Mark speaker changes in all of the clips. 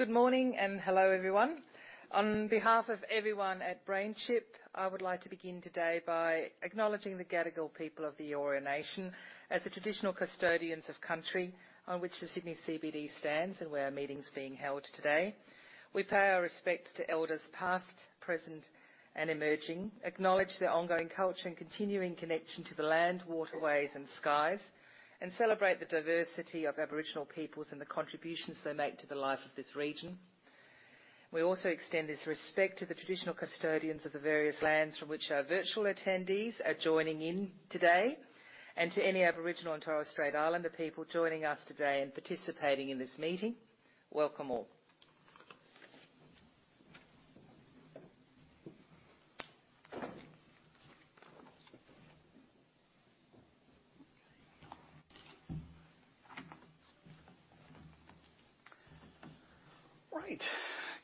Speaker 1: Good morning and hello, everyone. On behalf of everyone at BrainChip, I would like to begin today by acknowledging the Gadigal people of the Eora Nation as the traditional custodians of country on which the Sydney CBD stands and where our meeting's being held today. We pay our respects to elders past, present, and emerging, acknowledge their ongoing culture and continuing connection to the land, waterways and skies, and celebrate the diversity of Aboriginal peoples and the contributions they make to the life of this region. We also extend this respect to the traditional custodians of the various lands from which our virtual attendees are joining in today, and to any Aboriginal and Torres Strait Islander people joining us today and participating in this meeting. Welcome all.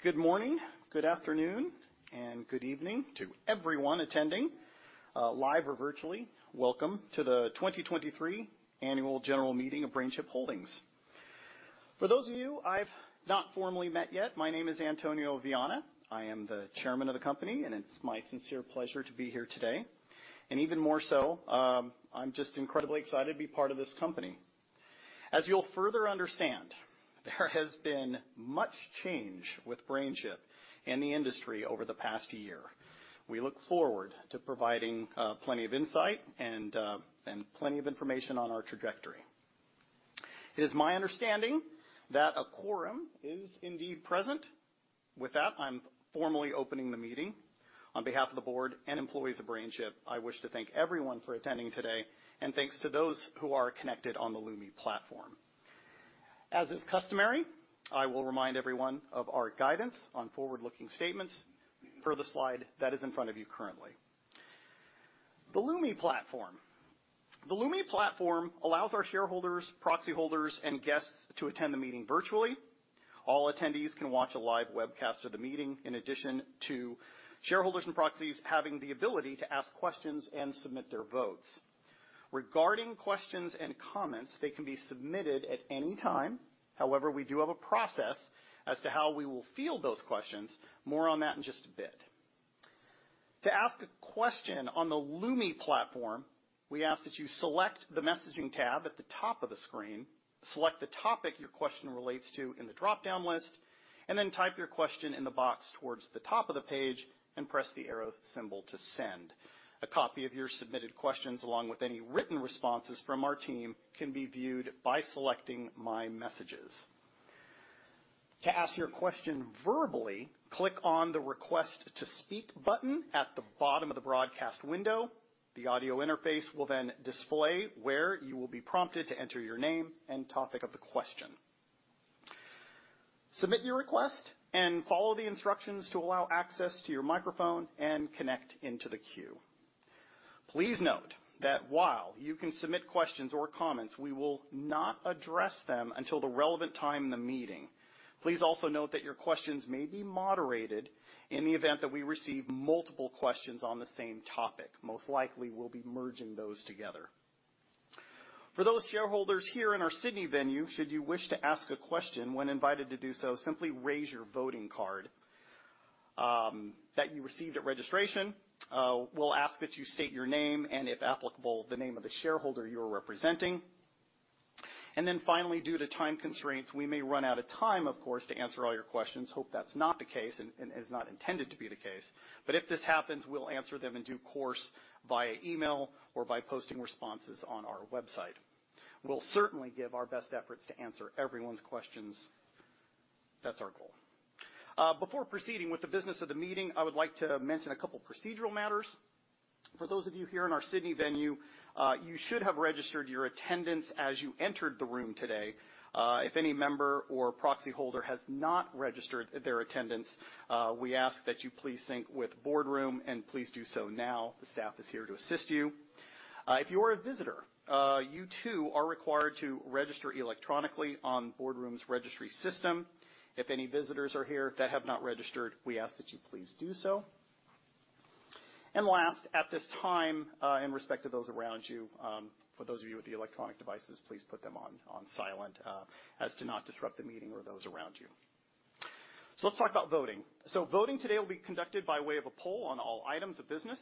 Speaker 2: Right. Good morning, good afternoon, and good evening to everyone attending live or virtually. Welcome to the 2023 Annual General Meeting of BrainChip Holdings. For those of you I've not formally met yet, my name is Antonio Viana. I am the chairman of the company. It's my sincere pleasure to be here today. Even more so, I'm just incredibly excited to be part of this company. As you'll further understand, there has been much change with BrainChip and the industry over the past year. We look forward to providing plenty of insight and plenty of information on our trajectory. It is my understanding that a quorum is indeed present. With that, I'm formally opening the meeting. On behalf of the board and employees of BrainChip, I wish to thank everyone for attending today, thanks to those who are connected on the Lumi platform. As is customary, I will remind everyone of our guidance on forward-looking statements per the slide that is in front of you currently. The Lumi platform allows our shareholders, proxy holders, and guests to attend the meeting virtually. All attendees can watch a live webcast of the meeting in addition to shareholders and proxies having the ability to ask questions and submit their votes. Regarding questions and comments, they can be submitted at any time. We do have a process as to how we will field those questions. More on that in just a bit. To ask a question on the Lumi platform, we ask that you select the messaging tab at the top of the screen, select the topic your question relates to in the dropdown list, and then type your question in the box towards the top of the page and press the arrow symbol to send. A copy of your submitted questions along with any written responses from our team can be viewed by selecting My Messages. To ask your question verbally, click on the Request to Speak button at the bottom of the broadcast window. The audio interface will then display where you will be prompted to enter your name and topic of the question. Submit your request and follow the instructions to allow access to your microphone and connect into the queue. Please note that while you can submit questions or comments, we will not address them until the relevant time in the meeting. Please also note that your questions may be moderated in the event that we receive multiple questions on the same topic. Most likely, we'll be merging those together. For those shareholders here in our Sydney venue, should you wish to ask a question when invited to do so, simply raise your voting card that you received at registration. We'll ask that you state your name, and if applicable, the name of the shareholder you're representing. Finally, due to time constraints, we may run out of time, of course, to answer all your questions. Hope that's not the case and is not intended to be the case. If this happens, we'll answer them in due course via email or by posting responses on our website. We'll certainly give our best efforts to answer everyone's questions. That's our goal. Before proceeding with the business of the meeting, I would like to mention a couple procedural matters. For those of you here in our Sydney venue, you should have registered your attendance as you entered the room today. If any member or proxy holder has not registered their attendance, we ask that you please sync with Boardroom and please do so now. The staff is here to assist you. If you are a visitor, you too are required to register electronically on Boardroom's registry system. If any visitors are here that have not registered, we ask that you please do so. Last, at this time, in respect to those around you, for those of you with the electronic devices, please put them on silent, as to not disrupt the meeting or those around you. Let's talk about voting. Voting today will be conducted by way of a poll on all items of business.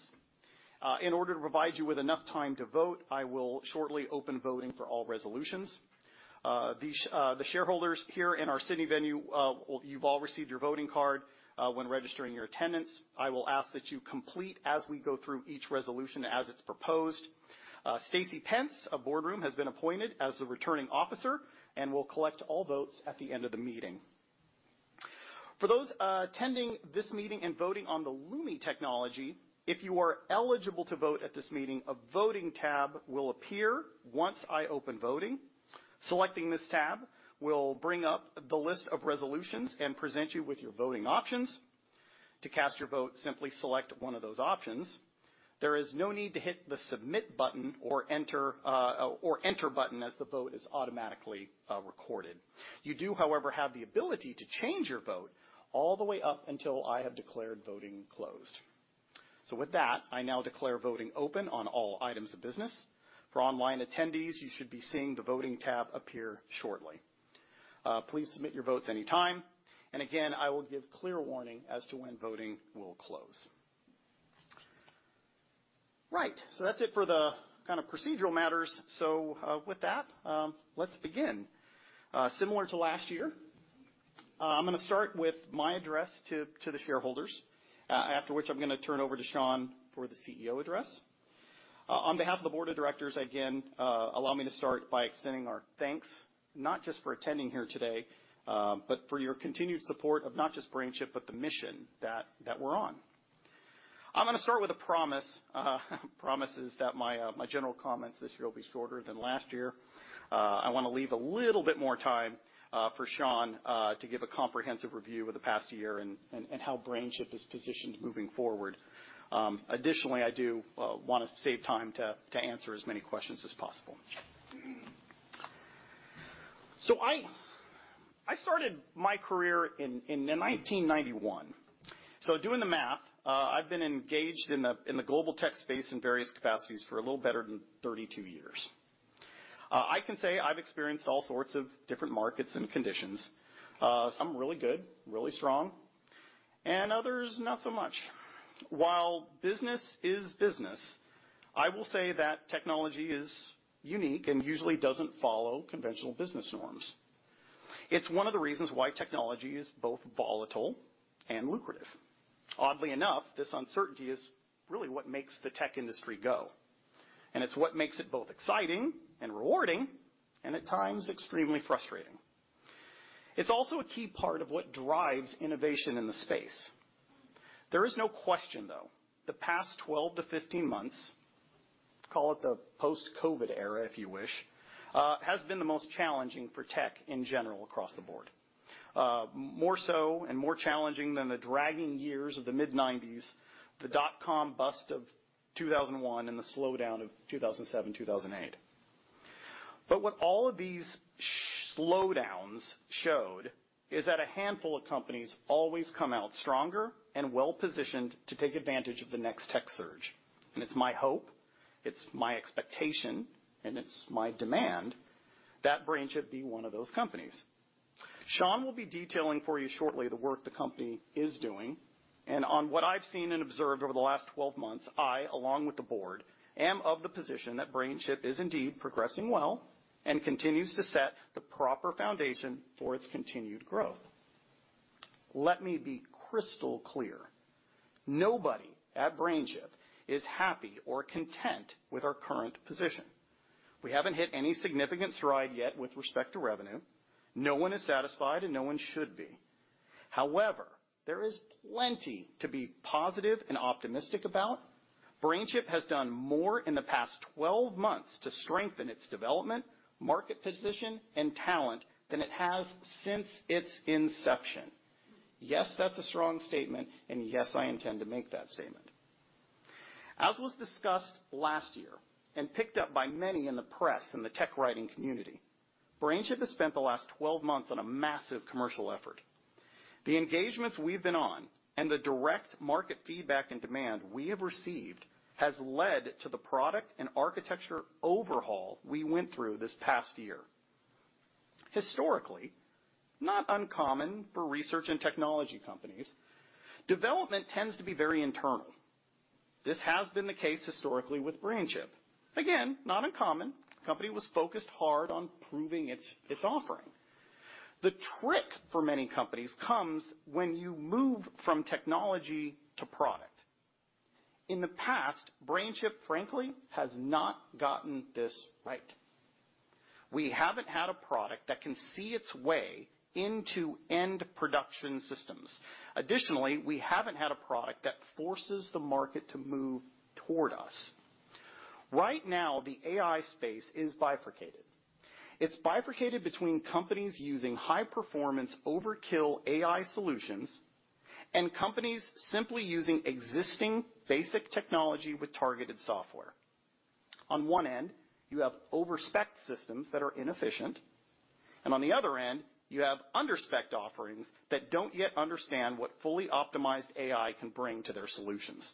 Speaker 2: In order to provide you with enough time to vote, I will shortly open voting for all resolutions. The shareholders here in our Sydney venue, well, you've all received your voting card when registering your attendance. I will ask that you complete as we go through each resolution as it's proposed. Stacy Pence of Boardroom has been appointed as the returning officer and will collect all votes at the end of the meeting. For those attending this meeting and voting on the Lumi technology, if you are eligible to vote at this meeting, a voting tab will appear once I open voting. Selecting this tab will bring up the list of resolutions and present you with your voting options. To cast your vote, simply select one of those options. There is no need to hit the submit button or enter button as the vote is automatically recorded. You do, however, have the ability to change your vote all the way up until I have declared voting closed. With that, I now declare voting open on all items of business. For online attendees, you should be seeing the Voting tab appear shortly. Please submit your votes any time. Again, I will give clear warning as to when voting will close. Right. That's it for the kind of procedural matters. With that, let's begin. Similar to last year, I'm gonna start with my address to the shareholders, after which I'm gonna turn over to Sean for the CEO address. On behalf of the board of directors, again, allow me to start by extending our thanks, not just for attending here today, but for your continued support of not just BrainChip, but the mission that we're on. I'm gonna start with a promise. Promise is that my general comments this year will be shorter than last year. I wanna leave a little bit more time for Sean to give a comprehensive review of the past year and how BrainChip is positioned moving forward. Additionally, I do wanna save time to answer as many questions as possible. I started my career in 1991. Doing the math, I've been engaged in the global tech space in various capacities for a little better than 32 years. I can say I've experienced all sorts of different markets and conditions. Some really good, really strong, and others not so much. While business is business, I will say that technology is unique and usually doesn't follow conventional business norms. It's one of the reasons why technology is both volatile and lucrative. Oddly enough, this uncertainty is really what makes the tech industry go. It's what makes it both exciting and rewarding, and at times extremely frustrating. It's also a key part of what drives innovation in the space. There is no question, though, the past 12 to 15 months, call it the post-COVID era if you wish, has been the most challenging for tech in general across the board. More so and more challenging than the dragging years of the mid-90s, the dot-com bust of 2001, and the slowdown of 2007, 2008. What all of these slowdowns showed is that a handful of companies always come out stronger and well-positioned to take advantage of the next tech surge. It's my hope, it's my expectation, and it's my demand that BrainChip be one of those companies. Sean will be detailing for you shortly the work the company is doing. On what I've seen and observed over the last 12 months, I, along with the board, am of the position that BrainChip is indeed progressing well and continues to set the proper foundation for its continued growth. Let me be crystal clear. Nobody at BrainChip is happy or content with our current position. We haven't hit any significant stride yet with respect to revenue. No one is satisfied, and no one should be. There is plenty to be positive and optimistic about. BrainChip has done more in the past 12 months to strengthen its development, market position, and talent than it has since its inception. Yes, that's a strong statement. Yes, I intend to make that statement. As was discussed last year and picked up by many in the press and the tech writing community, BrainChip has spent the last 12 months on a massive commercial effort. The engagements we've been on and the direct market feedback and demand we have received has led to the product and architecture overhaul we went through this past year. Historically, not uncommon for research and technology companies, development tends to be very internal. This has been the case historically with BrainChip. Not uncommon. Company was focused hard on proving its offering. The trick for many companies comes when you move from technology to product. In the past, BrainChip, frankly, has not gotten this right. We haven't had a product that can see its way into end production systems. We haven't had a product that forces the market to move toward us. Right now, the AI space is bifurcated. It's bifurcated between companies using high-performance overkill AI solutions and companies simply using existing basic technology with targeted software. On one end, you have over-specced systems that are inefficient, and on the other end, you have under-specced offerings that don't yet understand what fully optimized AI can bring to their solutions.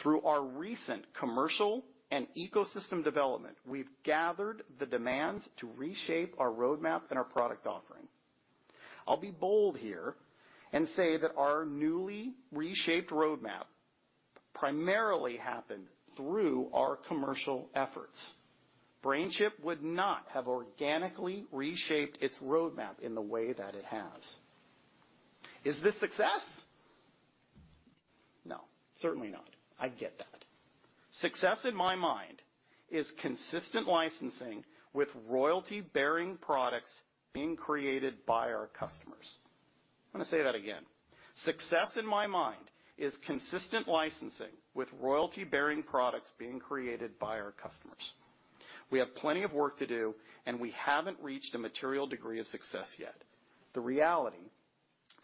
Speaker 2: Through our recent commercial and ecosystem development, we've gathered the demands to reshape our roadmap and our product offering. I'll be bold here and say that our newly reshaped roadmap primarily happened through our commercial efforts. BrainChip would not have organically reshaped its roadmap in the way that it has. Is this success? No, certainly not. I get that. Success in my mind is consistent licensing with royalty-bearing products being created by our customers. I'm gonna say that again. Success in my mind is consistent licensing with royalty-bearing products being created by our customers. We have plenty of work to do, and we haven't reached a material degree of success yet. The reality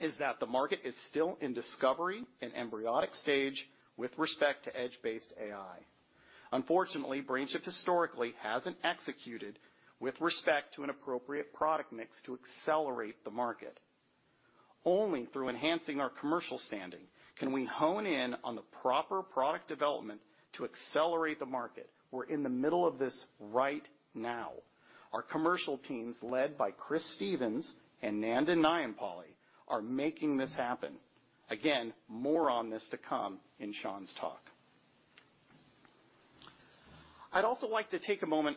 Speaker 2: is that the market is still in discovery and embryonic stage with respect to edge-based AI. Unfortunately, BrainChip historically hasn't executed with respect to an appropriate product mix to accelerate the market. Only through enhancing our commercial standing can we hone in on the proper product development to accelerate the market. We're in the middle of this right now. Our commercial teams, led by Chris Stevens and Nandan Nayampally, are making this happen. Again, more on this to come in Sean's talk. I'd also like to take a moment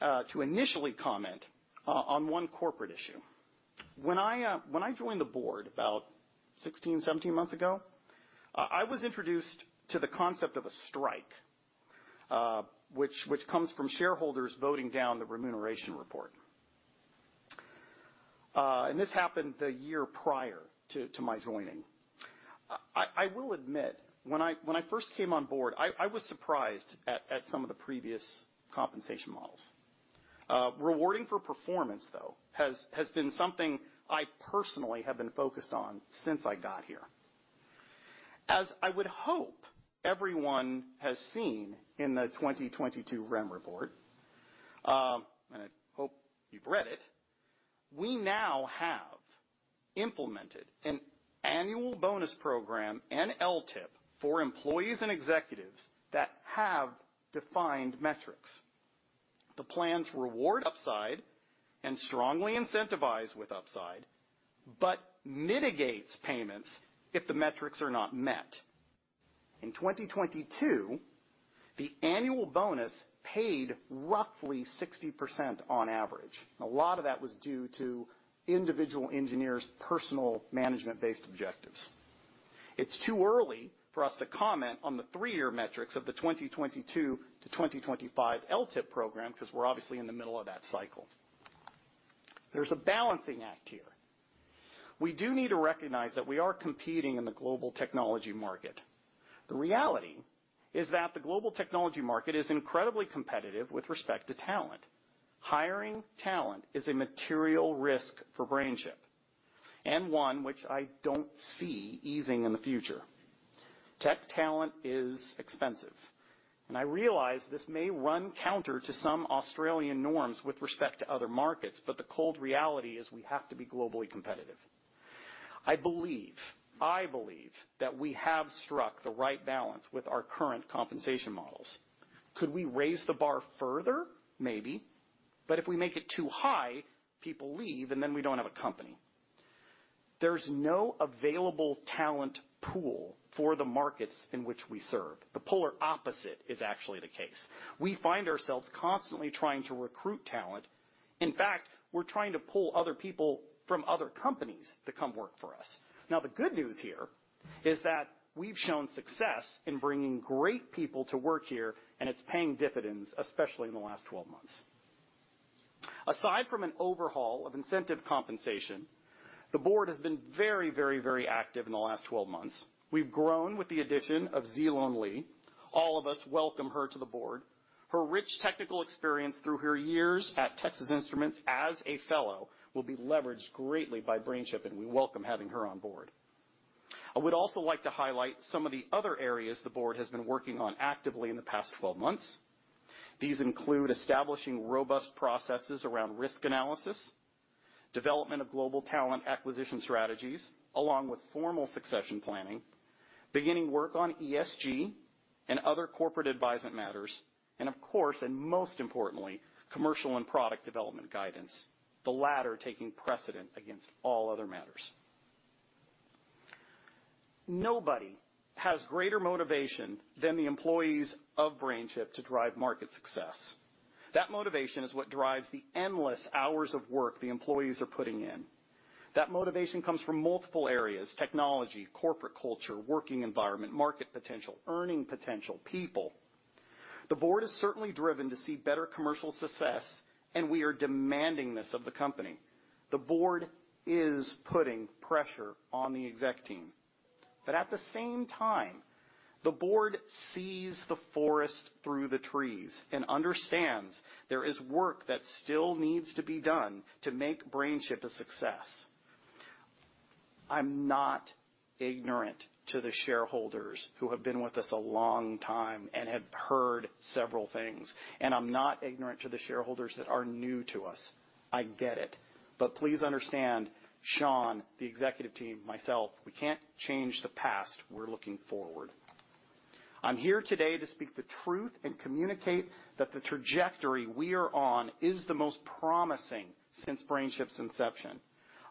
Speaker 2: to initially comment on one corporate issue. When I, when I joined the board about 16, 17 months ago, I was introduced to the concept of a strike, which comes from shareholders voting down the remuneration report. This happened the year prior to my joining. I will admit, when I first came on board, I was surprised at some of the previous compensation models. Rewarding for performance, though, has been something I personally have been focused on since I got here. As I would hope everyone has seen in the 2022 rem report, I hope you've read it, we now have implemented an annual bonus program and LTIP for employees and executives that have defined metrics. The plans reward upside and strongly incentivize with upside, but mitigates payments if the metrics are not met. In 2022, the annual bonus paid roughly 60% on average. A lot of that was due to individual engineers' personal management-based objectives. It's too early for us to comment on the three year metrics of the 2022 to 2025 LTIP program because we're obviously in the middle of that cycle. There's a balancing act here. We do need to recognize that we are competing in the global technology market. The reality is that the global technology market is incredibly competitive with respect to talent. Hiring talent is a material risk for BrainChip, and one which I don't see easing in the future. Tech talent is expensive, and I realize this may run counter to some Australian norms with respect to other markets, but the cold reality is we have to be globally competitive. I believe that we have struck the right balance with our current compensation models. Could we raise the bar further? Maybe. If we make it too high, people leave, and then we don't have a company. There's no available talent pool for the markets in which we serve. The polar opposite is actually the case. We find ourselves constantly trying to recruit talent. In fact, we're trying to pull other people from other companies to come work for us. The good news here is that we've shown success in bringing great people to work here, and it's paying dividends, especially in the last 12 months. Aside from an overhaul of incentive compensation, the board has been very, very, very active in the last 12 months. We've grown with the addition of Duy-Loan Le. All of us welcome her to the board. Her rich technical experience through her years at Texas Instruments as a fellow will be leveraged greatly by BrainChip, and we welcome having her on board. I would also like to highlight some of the other areas the board has been working on actively in the past 12 months. These include establishing robust processes around risk analysis, development of global talent acquisition strategies, along with formal succession planning, beginning work on ESG and other corporate advisement matters, and of course, and most importantly, commercial and product development guidance, the latter taking precedent against all other matters. Nobody has greater motivation than the employees of BrainChip to drive market success. That motivation is what drives the endless hours of work the employees are putting in. That motivation comes from multiple areas: technology, corporate culture, working environment, market potential, earning potential, people. The board is certainly driven to see better commercial success, and we are demanding this of the company. The board is putting pressure on the exec team. At the same time, the board sees the forest through the trees and understands there is work that still needs to be done to make BrainChip a success. I'm not ignorant to the shareholders who have been with us a long time and have heard several things, and I'm not ignorant to the shareholders that are new to us. I get it. Please understand, Sean, the executive team, myself, we can't change the past. We're looking forward. I'm here today to speak the truth and communicate that the trajectory we are on is the most promising since BrainChip's inception.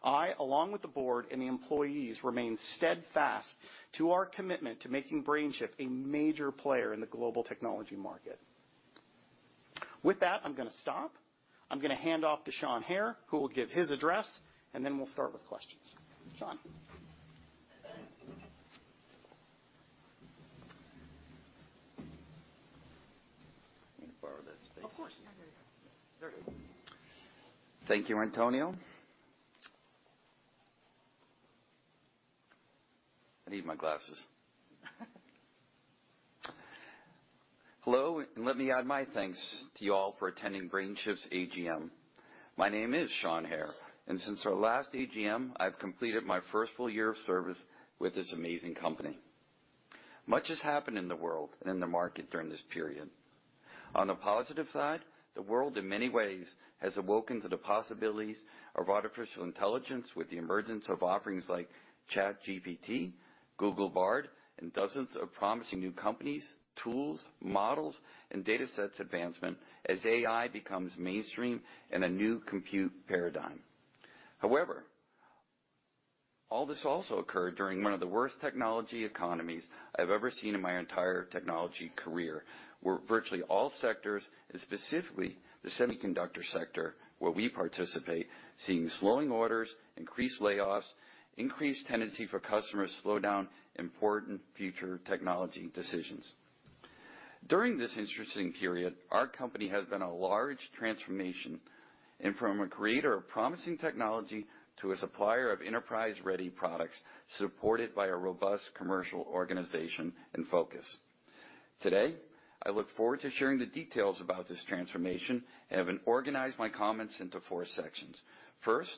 Speaker 2: I, along with the board and the employees, remain steadfast to our commitment to making BrainChip a major player in the global technology market. With that, I'm gonna stop. I'm gonna hand off to Sean Hehir, who will give his address, and then we'll start with questions. Sean.
Speaker 3: Let me borrow that space.
Speaker 2: Of course. Yeah, there you go.
Speaker 3: Thank you, Antonio. I need my glasses. Hello, and let me add my thanks to you all for attending BrainChip's AGM. My name is Sean Hehir. Since our last AGM, I've completed my first full year of service with this amazing company. Much has happened in the world and in the market during this period. On the positive side, the world, in many ways, has awoken to the possibilities of artificial intelligence with the emergence of offerings like ChatGPT, Google Bard, and dozens of promising new companies, tools, models, and data sets advancement as AI becomes mainstream and a new compute paradigm. However, all this also occurred during one of the worst technology economies I've ever seen in my entire technology career, where virtually all sectors, and specifically the semiconductor sector, where we participate, seeing slowing orders, increased layoffs, increased tendency for customers to slow down important future technology decisions. During this interesting period, our company has been a large transformation, and from a creator of promising technology to a supplier of enterprise-ready products supported by a robust commercial organization and focus. Today, I look forward to sharing the details about this transformation. I have organized my comments into four sections. First,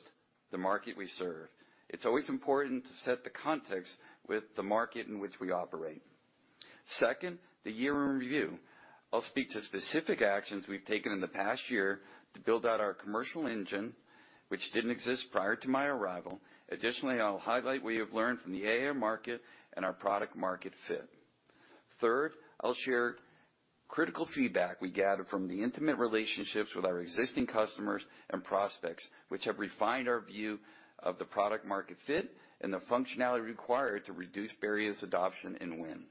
Speaker 3: the market we serve. It's always important to set the context with the market in which we operate. Second, the year in review. I'll speak to specific actions we've taken in the past year to build out our commercial engine, which didn't exist prior to my arrival. Additionally, I'll highlight what we have learned from the AI market and our product market fit. Third, I'll share critical feedback we gathered from the intimate relationships with our existing customers and prospects, which have refined our view of the product market fit and the functionality required to reduce various adoption and win.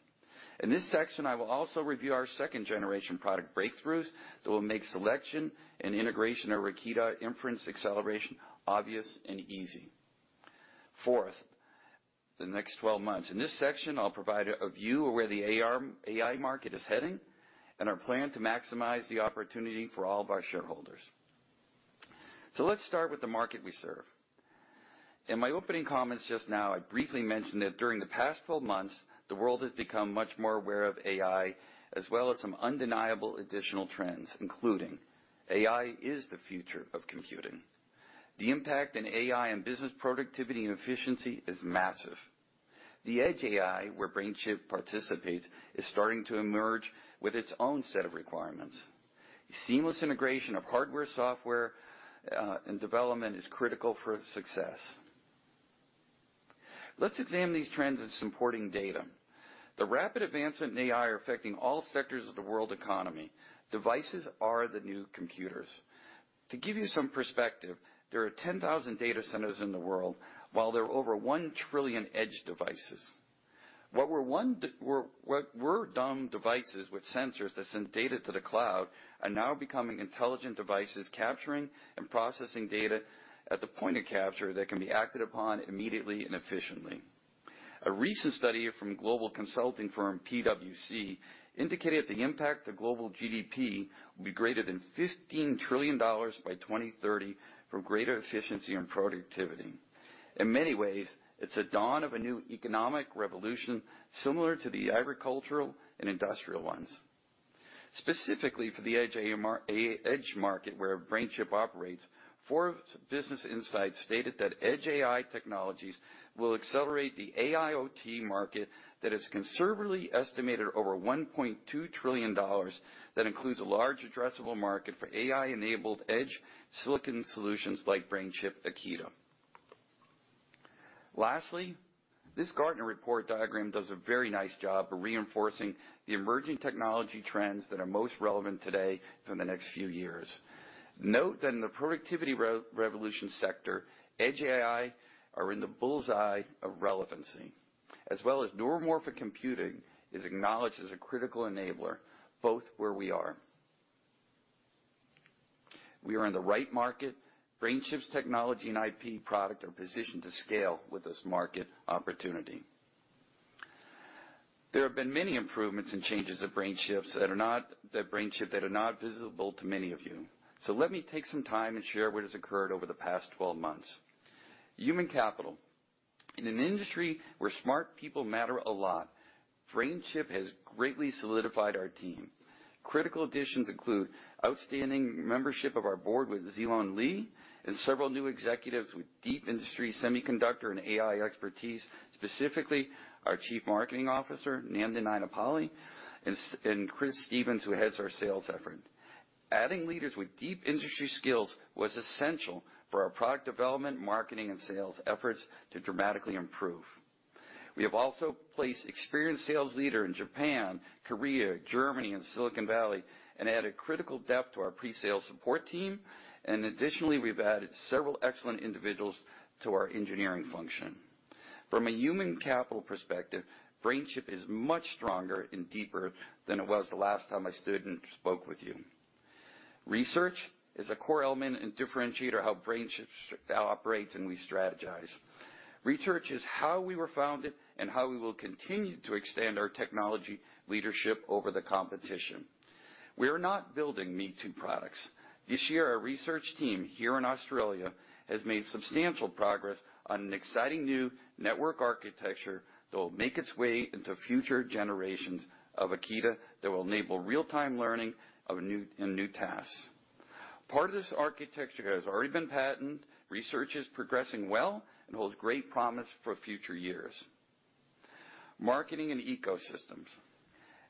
Speaker 3: In this section, I will also review our second-generation product breakthroughs that will make selection and integration of Akida inference acceleration obvious and easy. Fourth, the next 12 months. In this section, I'll provide a view of where the AI market is heading and our plan to maximize the opportunity for all of our shareholders. Let's start with the market we serve. In my opening comments just now, I briefly mentioned that during the past 12 months, the world has become much more aware of AI, as well as some undeniable additional trends, including AI is the future of computing. The impact in AI and business productivity and efficiency is massive. The edge AI, where BrainChip participates, is starting to emerge with its own set of requirements. Seamless integration of hardware, software, and development is critical for success. Let's examine these trends and supporting data. The rapid advancement in AI are affecting all sectors of the world economy. Devices are the new computers. To give you some perspective, there are 10,000 data centers in the world, while there are over 1 trillion edge devices. What were dumb devices with sensors that send data to the cloud are now becoming intelligent devices, capturing and processing data at the point of capture that can be acted upon immediately and efficiently. A recent study from global consulting firm PwC indicated the impact to global GDP will be greater than $15 trillion by 2030 for greater efficiency and productivity. In many ways, it's a dawn of a new economic revolution similar to the agricultural and industrial ones. Specifically for the edge market, where BrainChip operates, Fortune Business Insights stated that edge AI technologies will accelerate the AIoT market that is conservatively estimated over $1.2 trillion. That includes a large addressable market for AI-enabled edge silicon solutions like BrainChip Akida. Lastly, this Gartner report diagram does a very nice job of reinforcing the emerging technology trends that are most relevant today for the next few years. Note that in the productivity revolution sector, edge AI are in the bullseye of relevancy, as well as neuromorphic computing is acknowledged as a critical enabler, both where we are. We are in the right market. BrainChip's technology and IP product are positioned to scale with this market opportunity. There have been many improvements and changes at BrainChip that are not visible to many of you. Let me take some time and share what has occurred over the past 12 months. Human capital. In an industry where smart people matter a lot, BrainChip has greatly solidified our team. Critical additions include outstanding membership of our board with Duy-Loan Le and several new executives with deep industry semiconductor and AI expertise. Specifically, our Chief Marketing Officer, Nandan Nayampally, and Chris Stevens, who heads our sales effort. Adding leaders with deep industry skills was essential for our product development, marketing, and sales efforts to dramatically improve. We have also placed experienced sales leader in Japan, Korea, Germany, and Silicon Valley and added critical depth to our pre-sales support team. Additionally, we've added several excellent individuals to our engineering function. From a human capital perspective, BrainChip is much stronger and deeper than it was the last time I stood and spoke with you. Research is a core element and differentiator how BrainChip operates, and we strategize. Research is how we were founded and how we will continue to extend our technology leadership over the competition. We are not building me-too products. This year, our research team here in Australia has made substantial progress on an exciting new network architecture that will make its way into future generations of Akida that will enable real-time learning in new tasks. Part of this architecture has already been patented, research is progressing well, and holds great promise for future years. Marketing and ecosystems.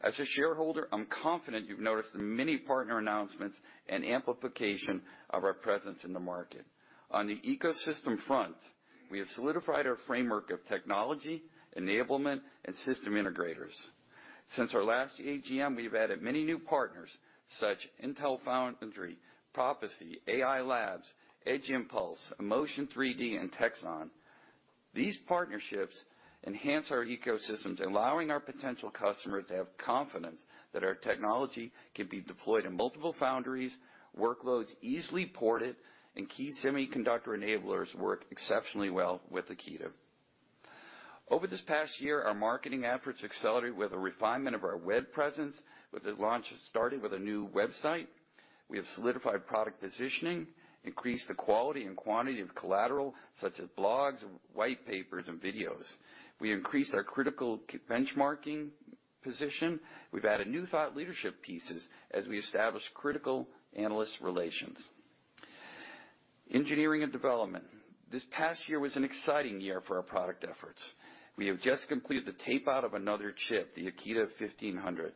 Speaker 3: As a shareholder, I'm confident you've noticed the many partner announcements and amplification of our presence in the market. On the ecosystem front, we have solidified our framework of technology, enablement, and system integrators. Since our last AGM, we have added many new partners such Intel Foundry, Prophesee, AI Labs, Edge Impulse, emotion3D, and Teksun. These partnerships enhance our ecosystems, allowing our potential customers to have confidence that our technology can be deployed in multiple foundries, workloads easily ported, and key semiconductor enablers work exceptionally well with Akida. Over this past year, our marketing efforts accelerated with a refinement of our web presence, with the launch starting with a new website. We have solidified product positioning, increased the quality and quantity of collateral such as blogs, white papers, and videos. We increased our critical benchmarking position. We've added new thought leadership pieces as we establish critical analyst relations. Engineering and development. This past year was an exciting year for our product efforts. We have just completed the tape-out of another chip, the Akida 1500.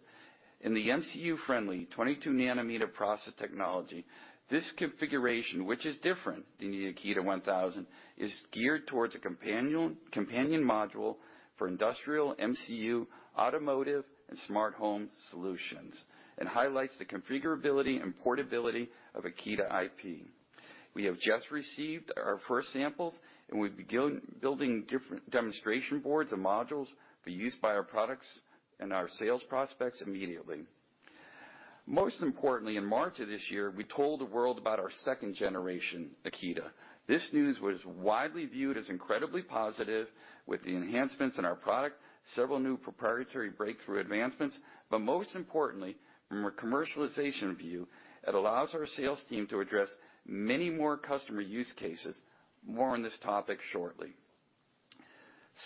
Speaker 3: In the MCU-friendly 22 nanometer process technology, this configuration, which is different than the Akida 1.0, is geared towards a companion module for industrial MCU, automotive, and smart home solutions, and highlights the configurability and portability of Akida IP. We have just received our first samples, and we begin building different demonstration boards and modules for use by our products and our sales prospects immediately. Most importantly, in March of this year, we told the world about our second generation Akida. This news was widely viewed as incredibly positive with the enhancements in our product, several new proprietary breakthrough advancements, but most importantly from a commercialization view, it allows our sales team to address many more customer use cases. More on this topic shortly.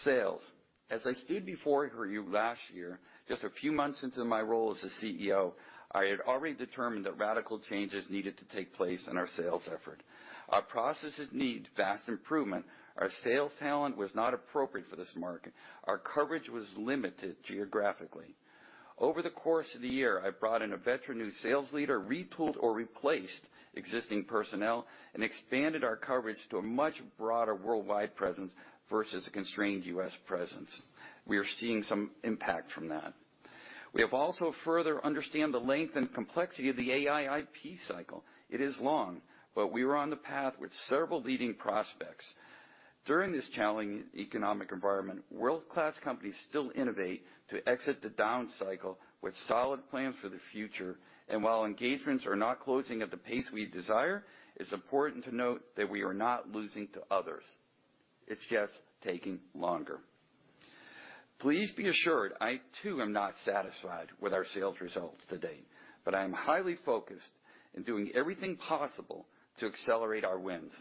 Speaker 3: Sales. As I stood before you last year, just a few months into my role as a CEO, I had already determined that radical changes needed to take place in our sales effort. Our processes need vast improvement. Our sales talent was not appropriate for this market. Our coverage was limited geographically. Over the course of the year, I brought in a veteran new sales leader, retooled or replaced existing personnel, and expanded our coverage to a much broader worldwide presence versus a constrained U.S. presence. We are seeing some impact from that. We have also further understand the length and complexity of the AI IP cycle. It is long, but we are on the path with several leading prospects. During this challenging economic environment, world-class companies still innovate to exit the down cycle with solid plans for the future. While engagements are not closing at the pace we desire, it's important to note that we are not losing to others. It's just taking longer. Please be assured, I too am not satisfied with our sales results to date, but I am highly focused in doing everything possible to accelerate our wins.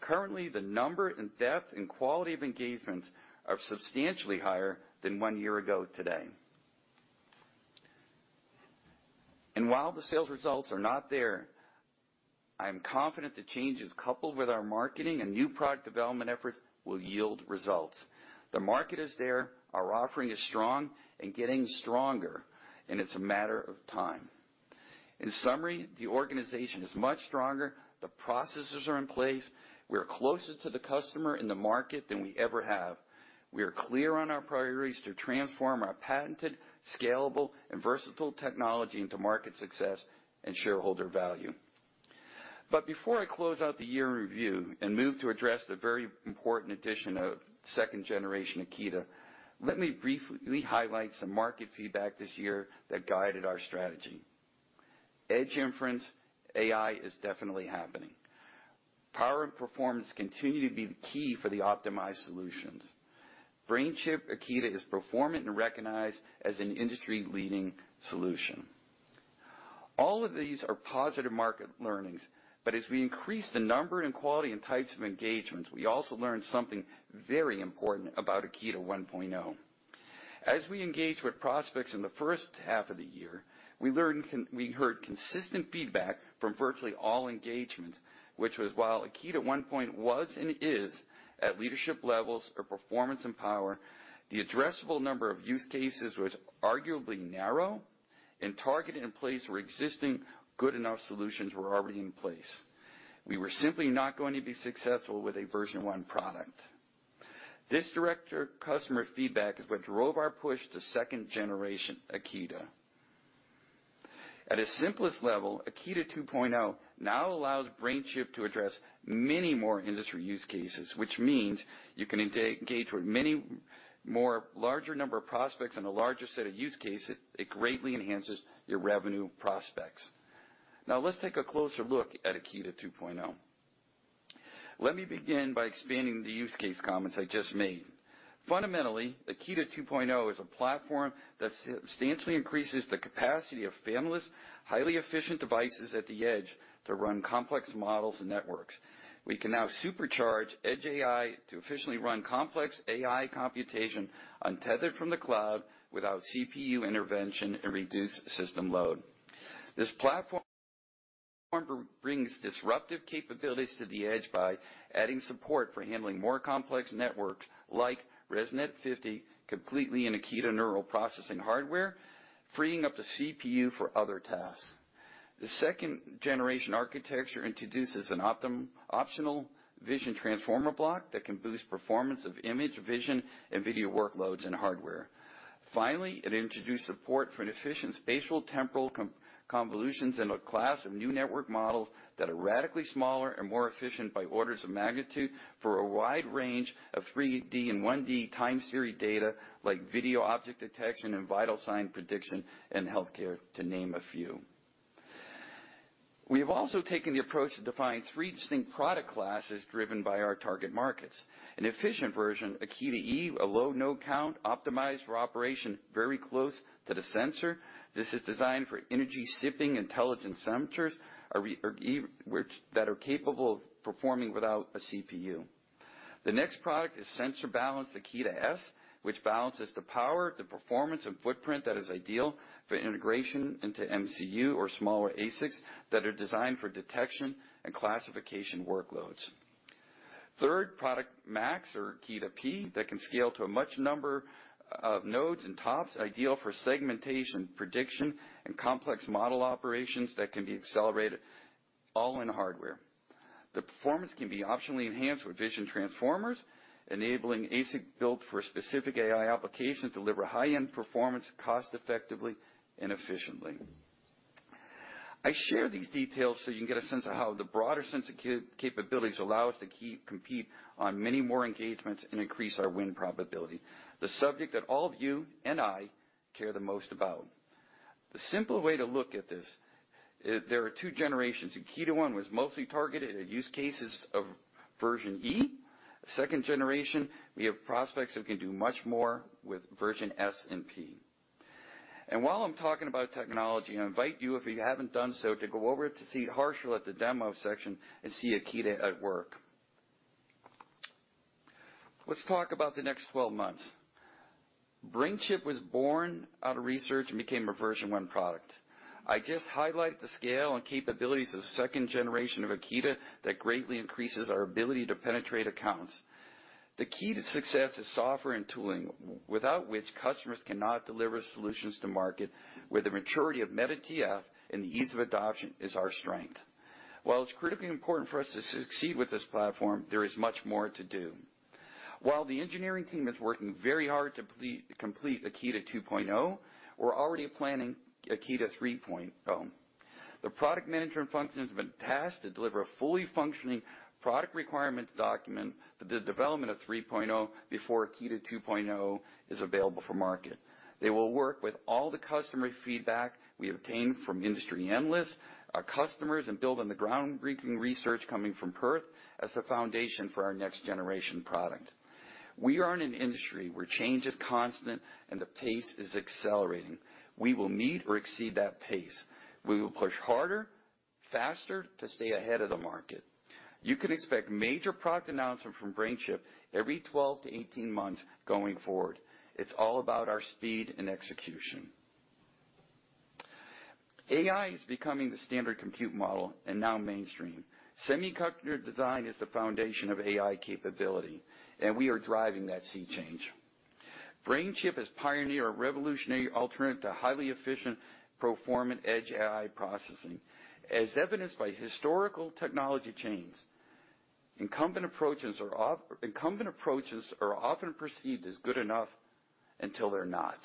Speaker 3: Currently, the number and depth and quality of engagements are substantially higher than one year ago today. While the sales results are not there, I am confident the changes coupled with our marketing and new product development efforts will yield results. The market is there, our offering is strong and getting stronger, and it's a matter of time. In summary, the organization is much stronger. The processes are in place. We are closer to the customer in the market than we ever have. We are clear on our priorities to transform our patented, scalable, and versatile technology into market success and shareholder value. Before I close out the year in review and move to address the very important addition of second-generation Akida, let me briefly highlight some market feedback this year that guided our strategy. edge inference AI is definitely happening. Power and performance continue to be the key for the optimized solutions. BrainChip Akida is performant and recognized as an industry-leading solution. All of these are positive market learnings, but as we increase the number and quality and types of engagements, we also learn something very important about Akida 1.0. As we engage with prospects in the first half of the year, we heard consistent feedback from virtually all engagements, which was while Akida 1.0 was and is at leadership levels for performance and power, the addressable number of use cases was arguably narrow and targeted in place where existing good enough solutions were already in place. We were simply not going to be successful with a version 1 product. This director customer feedback is what drove our push to second-generation Akida. At a simplest level, Akida 2.0 now allows BrainChip to address many more industry use cases, which means you can engage with many more larger number of prospects and a larger set of use cases. It greatly enhances your revenue prospects. Let's take a closer look at Akida 2.0. Let me begin by expanding the use case comments I just made. Fundamentally, Akida 2.0 is a platform that substantially increases the capacity of families, highly efficient devices at the edge to run complex models and networks. We can now supercharge edge AI to efficiently run complex AI computation untethered from the cloud without CPU intervention and reduce system load. This platform brings disruptive capabilities to the edge by adding support for handling more complex networks like ResNet-50 completely in Akida neural processing hardware, freeing up the CPU for other tasks. The second-generation architecture introduces an optional Vision Transformer block that can boost performance of image, vision, and video workloads and hardware. It introduced support for an efficient spatial temporal convolutions in a class of new network models that are radically smaller and more efficient by orders of magnitude for a wide range of 3D and 1D time series data like video object detection and vital sign prediction in healthcare, to name a few. We have also taken the approach to define 3 distinct product classes driven by our target markets. An efficient version, Akida-E, a low node count optimized for operation very close to the sensor. This is designed for energy-sipping intelligent sensors that are capable of performing without a CPU. The next product is sensor balance, Akida-S, which balances the power, the performance, and footprint that is ideal for integration into MCU or smaller ASICs that are designed for detection and classification workloads. Third product, Max or Akida-P, that can scale to a much number of nodes and tops, ideal for segmentation, prediction, and complex model operations that can be accelerated all in hardware. The performance can be optionally enhanced with Vision Transformers, enabling ASIC built for specific AI applications deliver high-end performance cost effectively and efficiently. I share these details so you can get a sense of how the broader sense of capabilities allow us to compete on many more engagements and increase our win probability, the subject that all of you and I care the most about. The simple way to look at this is there are two generations. Akida 1 was mostly targeted at use cases of version E. Second generation, we have prospects who can do much more with version S and P. While I'm talking about technology, I invite you, if you haven't done so, to go over to see Harshal at the demo section and see Akida at work. Let's talk about the next 12 months. BrainChip was born out of research and became a version 1 product. I just highlight the scale and capabilities of second generation of Akida that greatly increases our ability to penetrate accounts. The key to success is software and tooling, without which customers cannot deliver solutions to market, where the maturity of MetaTF and the ease of adoption is our strength. It's critically important for us to succeed with this platform, there is much more to do. While the engineering team is working very hard to complete Akida 2.0, we're already planning Akida 3.0. The product management function has been tasked to deliver a fully functioning product requirements document for the development of 3.0 before Akida 2.0 is available for market. They will work with all the customer feedback we obtain from industry analysts, our customers, and build on the groundbreaking research coming from Perth as the foundation for our generation product. We are in an industry where change is constant and the pace is accelerating. We will meet or exceed that pace. We will push harder, faster to stay ahead of the market. You can expect major product announcement from BrainChip every 12 to 18 months going forward. It's all about our speed and execution. AI is becoming the standard compute model and now mainstream. Semiconductor design is the foundation of AI capability. We are driving that sea change. BrainChip has pioneered a revolutionary alternate to highly efficient performant edge AI processing. As evidenced by historical technology chains, incumbent approaches are often perceived as good enough until they're not.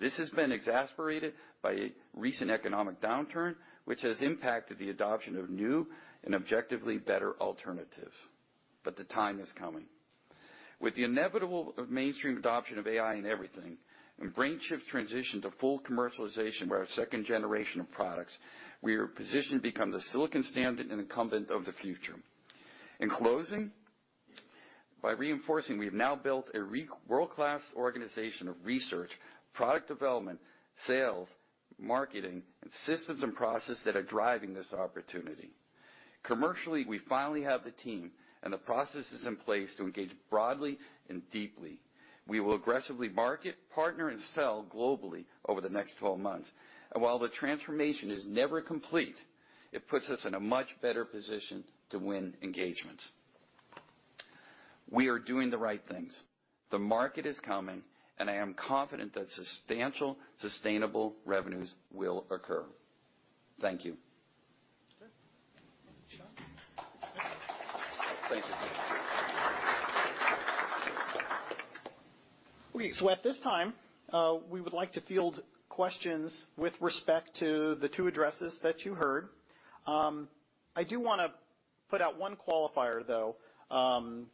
Speaker 3: This has been exasperated by recent economic downturn, which has impacted the adoption of new and objectively better alternatives. The time is coming. With the inevitable of mainstream adoption of AI and everything, and BrainChip's transition to full commercialization by our second generation of products, we are positioned to become the silicon standard and incumbent of the future. In closing, by reinforcing, we have now built a world-class organization of research, product development, sales, marketing, and systems and processes that are driving this opportunity. Commercially, we finally have the team and the processes in place to engage broadly and deeply. We will aggressively market, partner, and sell globally over the next 12 months. While the transformation is never complete, it puts us in a much better position to win engagements. We are doing the right things. The market is coming, and I am confident that substantial sustainable revenues will occur. Thank you.
Speaker 2: Okay. Sean.
Speaker 3: Thank you.
Speaker 2: At this time, we would like to field questions with respect to the two addresses that you heard. I do wanna put out one qualifier, though.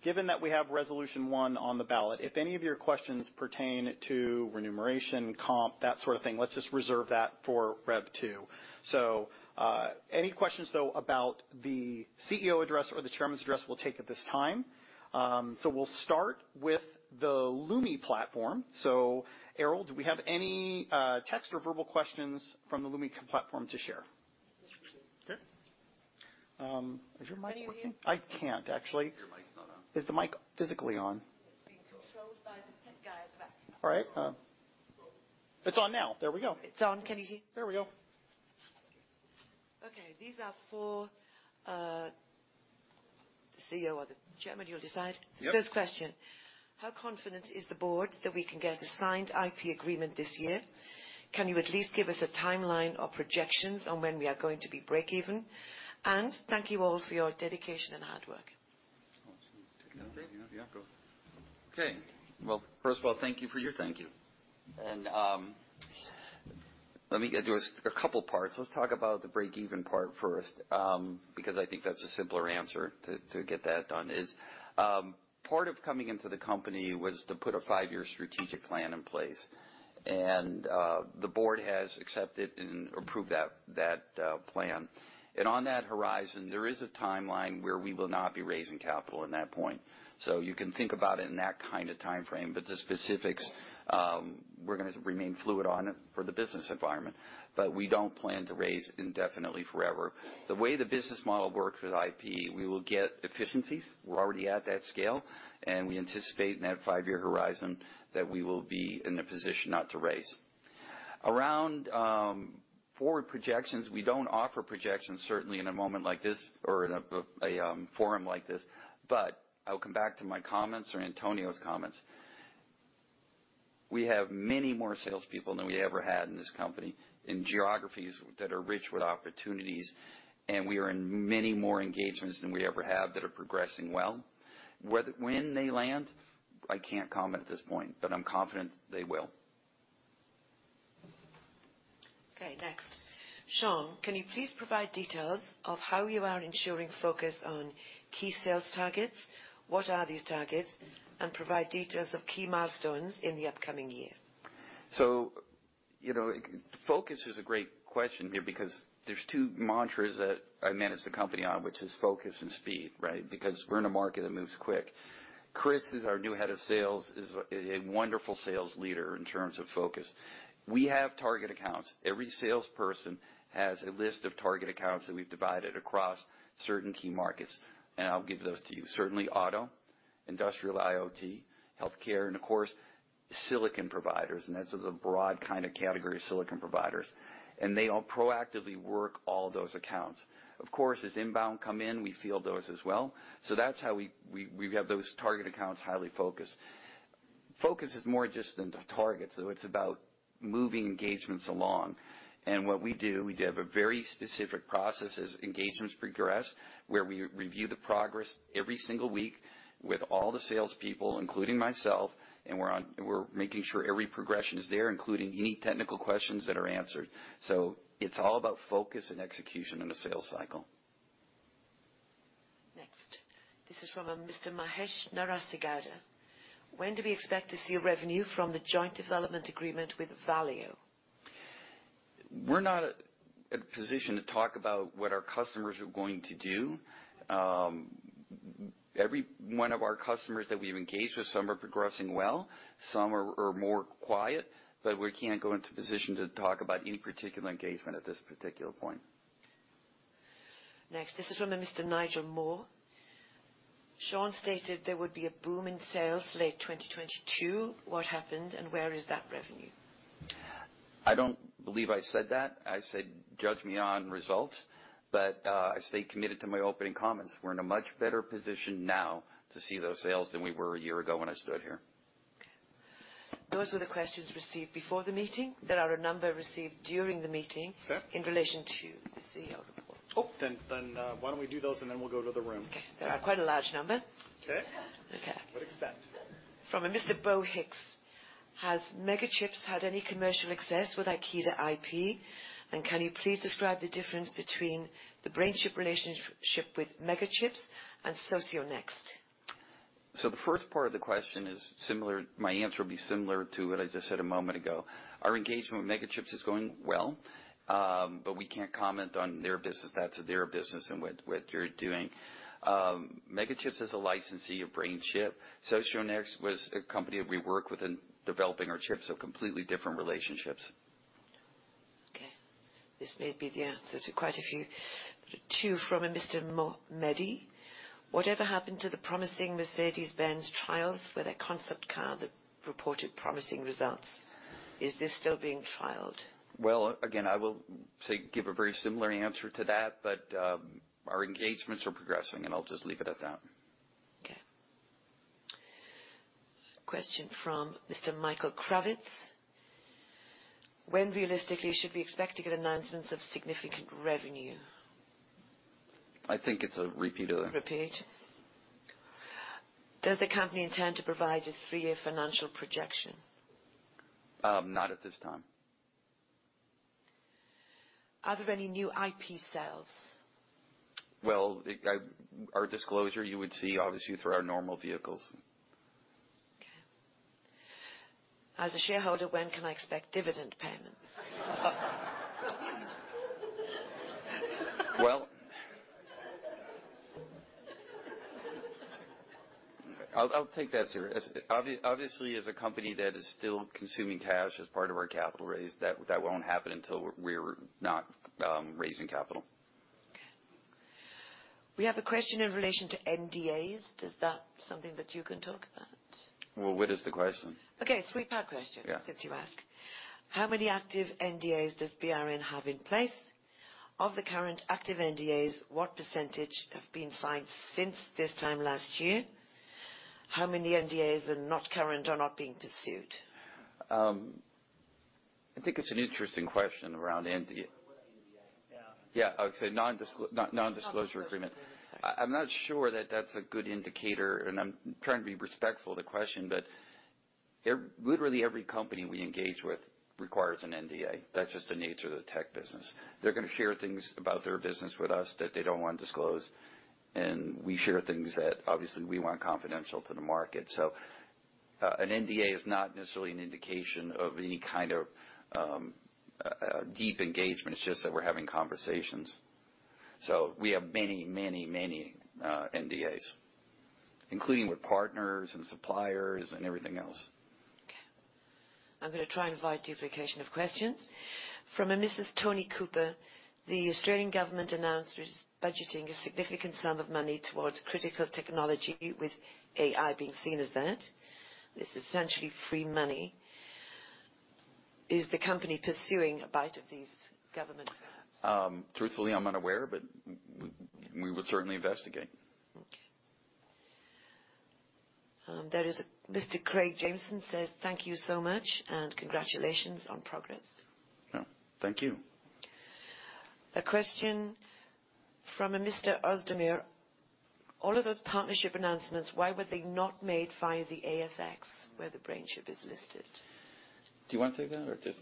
Speaker 2: Given that we have resolution one on the ballot, if any of your questions pertain to remuneration, comp, that sort of thing, let's just reserve that for rev two. Any questions, though, about the CEO address or the chairman's address we'll take at this time. We'll start with the Lumi platform. Carol, do we have any text or verbal questions from the Lumi platform to share?
Speaker 4: Yes, we do.
Speaker 2: Okay. Is your mic working?
Speaker 4: Can you hear me?
Speaker 2: I can't actually.
Speaker 3: Your mic's not on.
Speaker 2: Is the mic physically on?
Speaker 4: It's being controlled by the tech guy at the back.
Speaker 2: All right. It's on now. There we go.
Speaker 4: It's on. Can you hear?
Speaker 3: There we go.
Speaker 4: Okay. These are for the CEO or the chairman, you'll decide.
Speaker 3: Yep.
Speaker 4: First question: How confident is the board that we can get a signed IP agreement this year? Can you at least give us a timeline or projections on when we are going to be break even? Thank you all for your dedication and hard work.
Speaker 3: Okay. Well, first of all, thank you for your thank you. Let me get through a couple parts. Let's talk about the break even part first, because I think that's a simpler answer to get that done, is part of coming into the company was to put a five year strategic plan in place. The board has accepted and approved that plan. On that horizon, there is a timeline where we will not be raising capital in that point. You can think about it in that kind of timeframe, but the specifics, we're gonna remain fluid on it for the business environment. We don't plan to raise indefinitely forever. The way the business model works with IP, we will get efficiencies. We're already at that scale, and we anticipate in that five year horizon that we will be in a position not to raise. Around forward projections, we don't offer projections, certainly in a moment like this or in a forum like this, but I'll come back to my comments or Antonio's comments. We have many more salespeople than we ever had in this company in geographies that are rich with opportunities, and we are in many more engagements than we ever have that are progressing well. When they land, I can't comment at this point, but I'm confident they will.
Speaker 4: Next. Sean, can you please provide details of how you are ensuring focus on key sales targets, what are these targets, and provide details of key milestones in the upcoming year?
Speaker 3: You know, focus is a great question here because there's two mantras that I manage the company on, which is focus and speed, right? We're in a market that moves quick. Chris is our new head of sales, is a wonderful sales leader in terms of focus. We have target accounts. Every salesperson has a list of target accounts that we've divided across certain key markets, and I'll give those to you. Certainly auto, industrial IoT, healthcare, and of course, silicon providers, and this is a broad kind of category of silicon providers. They all proactively work all those accounts. Of course, as inbound come in, we field those as well. That's how we have those target accounts highly focused. Focus is more just than the target, it's about moving engagements along. What we do, we have a very specific process as engagements progress, where we review the progress every single week with all the salespeople, including myself, we're making sure every progression is there, including any technical questions that are answered. It's all about focus and execution in the sales cycle.
Speaker 4: Next. This is from a Mr. Mahesh Narasigada. When do we expect to see revenue from the joint development agreement with Valeo?
Speaker 3: We're not in a position to talk about what our customers are going to do. Every one of our customers that we've engaged with, some are progressing well, some are more quiet. We can't go into position to talk about any particular engagement at this particular point.
Speaker 4: Next. This is from a Mr. Nigel Moore. Sean stated there would be a boom in sales late 2022. What happened, and where is that revenue?
Speaker 3: I don't believe I said that. I said, judge me on results. I stay committed to my opening comments. We're in a much better position now to see those sales than we were a year ago when I stood here.
Speaker 4: Those were the questions received before the meeting. There are a number received during the meeting.
Speaker 3: Okay.
Speaker 4: In relation to the CEO report.
Speaker 3: Why don't we do those, we'll go to the room.
Speaker 4: Okay. There are quite a large number.
Speaker 3: Okay.
Speaker 4: Okay.
Speaker 3: Would expect.
Speaker 4: From a Mr. Bo Hicks. Has MegaChips had any commercial success with Akida IP? Can you please describe the difference between the BrainChip relationship with MegaChips and Socionext?
Speaker 3: The first part of the question is similar to what I just said a moment ago. Our engagement with MegaChips is going well, we can't comment on their business. That's their business and what they're doing. MegaChips is a licensee of BrainChip. Socionext was a company we work with in developing our chips, completely different relationships.
Speaker 4: Okay. This may be the answer to quite a few. Two from a Mr. Mehdi. Whatever happened to the promising Mercedes-Benz trials with a concept car that reported promising results? Is this still being trialed?
Speaker 3: Again, I will say, give a very similar answer to that, but, our engagements are progressing, and I'll just leave it at that.
Speaker 4: Okay. Question from Mr. Michael Kravitz. When realistically should we expect to get announcements of significant revenue?
Speaker 3: I think it's a repeat of the.
Speaker 4: Repeat. Does the company intend to provide a three-year financial projection?
Speaker 3: Not at this time.
Speaker 4: Are there any new IP sales?
Speaker 3: Well, Our disclosure, you would see obviously through our normal vehicles.
Speaker 4: As a shareholder, when can I expect dividend payment?
Speaker 3: Well, I'll take that serious. Obviously, as a company that is still consuming cash as part of our capital raise, that won't happen until we're not raising capital.
Speaker 4: We have a question in relation to NDAs. Is that something that you can talk about?
Speaker 3: Well, what is the question?
Speaker 4: Okay. Three-part question.
Speaker 3: Yeah.
Speaker 4: Since you ask. How many active NDAs does BRN have in place? Of the current active NDAs, what percentage have been signed since this time last year? How many NDAs are not current or not being pursued?
Speaker 3: I think it's an interesting question around NDA. Yeah. I would say nondisclosure agreement. Nondisclosure agreement. Sorry. I'm not sure that that's a good indicator. I'm trying to be respectful of the question. Every, literally every company we engage with requires an NDA. That's just the nature of the tech business. They're gonna share things about their business with us that they don't wanna disclose, and we share things that obviously we want confidential to the market. An NDA is not necessarily an indication of any kind of deep engagement. It's just that we're having conversations. We have many, many, many NDAs, including with partners and suppliers and everything else.
Speaker 4: Okay. I'm gonna try and avoid duplication of questions. From a Mrs. Toni Cooper. The Australian government announced it is budgeting a significant sum of money towards critical technology with AI being seen as that. This is essentially free money. Is the company pursuing a bite of these government grants?
Speaker 3: Truthfully, I'm not aware, but we would certainly investigate.
Speaker 4: Okay. Mr. Craig Jameson says, thank you so much and congratulations on progress.
Speaker 3: Oh, thank you.
Speaker 4: A question from a Mr. Ozdemir. All of those partnership announcements, why were they not made via the ASX, where the BrainChip is listed?
Speaker 3: Do you wanna take that or just.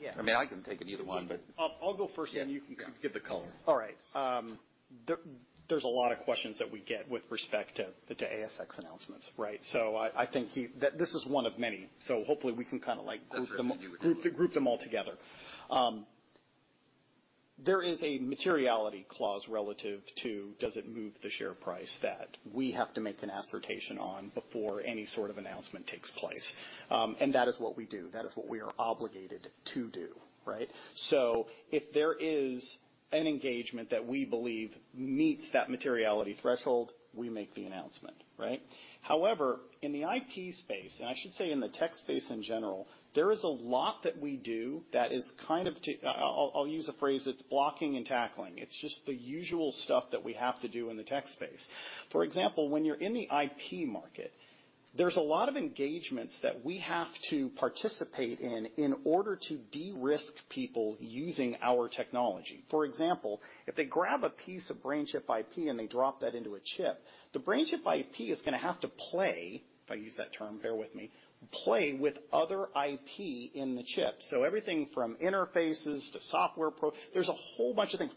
Speaker 2: Yeah.
Speaker 3: I mean, I can take it, either one, but.
Speaker 2: I'll go first, then you can give the color. All right. There's a lot of questions that we get with respect to ASX announcements, right? I think this is one of many, so hopefully we can kinda, like, group them Group them all together. There is a materiality clause relative to does it move the share price that we have to make an assertion on before any sort of announcement takes place. That is what we do. That is what we are obligated to do, right? If there is an engagement that we believe meets that materiality threshold, we make the announcement, right? However, in the IT space, and I should say in the tech space in general, there is a lot that we do that is kind of I'll use a phrase, it's blocking and tackling. It's just the usual stuff that we have to do in the tech space. For example, when you're in the IP market, there's a lot of engagements that we have to participate in in order to de-risk people using our technology. For example, if they grab a piece of BrainChip IP, and they drop that into a chip, the BrainChip IP is gonna have to play, if I use that term, bear with me, play with other IP in the chip. Everything from interfaces to software. There's a whole bunch of things.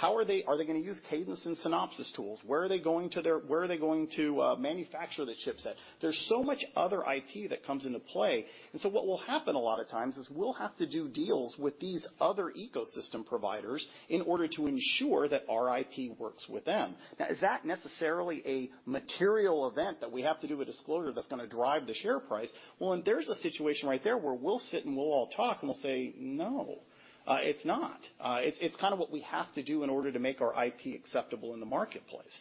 Speaker 2: Are they gonna use Cadence and Synopsys tools? Where are they going to manufacture the chipset? There's so much other IP that comes into play, and so what will happen a lot of times is we'll have to do deals with these other ecosystem providers in order to ensure that our IP works with them. Now, is that necessarily a material event that we have to do a disclosure that's gonna drive the share price? Well, there's a situation right there where we'll sit, and we'll all talk, and we'll say, "No, it's not." It's kind of what we have to do in order to make our IP acceptable in the marketplace.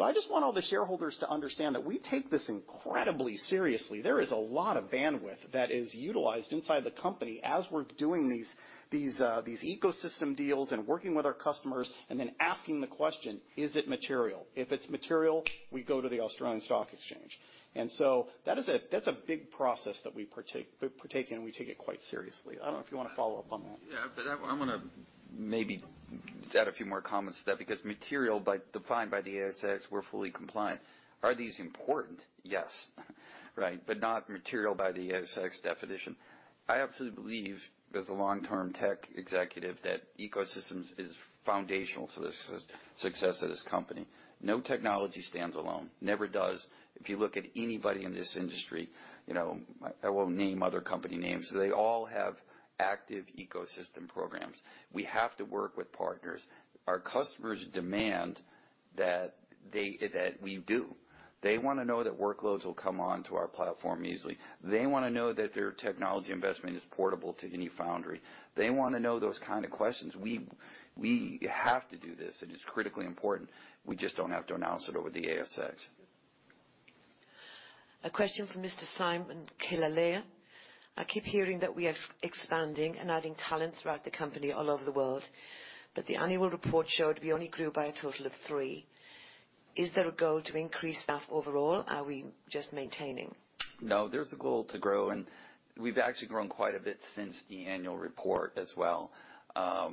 Speaker 2: I just want all the shareholders to understand that we take this incredibly seriously. There is a lot of bandwidth that is utilized inside the company as we're doing these ecosystem deals and working with our customers and then asking the question: Is it material? If it's material, we go to the Australian Stock Exchange. That's a big process that we partake in. We take it quite seriously. I don't know if you wanna follow up on that.
Speaker 3: Yeah. I wanna maybe add a few more comments to that because material defined by the ASX, we're fully compliant. Are these important? Yes. Right? Not material by the ASX definition. I absolutely believe, as a long-term tech executive, that ecosystems is foundational to the success of this company. No technology stands alone. Never does. If you look at anybody in this industry, you know, I won't name other company names. They all have active ecosystem programs. We have to work with partners. Our customers demand that we do. They wanna know that workloads will come onto our platform easily. They wanna know that their technology investment is portable to any foundry. They wanna know those kind of questions. We have to do this, and it's critically important. We just don't have to announce it over the ASX.
Speaker 4: A question from Mr. Simon Kilalea. I keep hearing that we are expanding and adding talent throughout the company all over the world, but the annual report showed we only grew by a total of three. Is there a goal to increase staff overall? Are we just maintaining?
Speaker 3: There's a goal to grow, and we've actually grown quite a bit since the annual report as well. I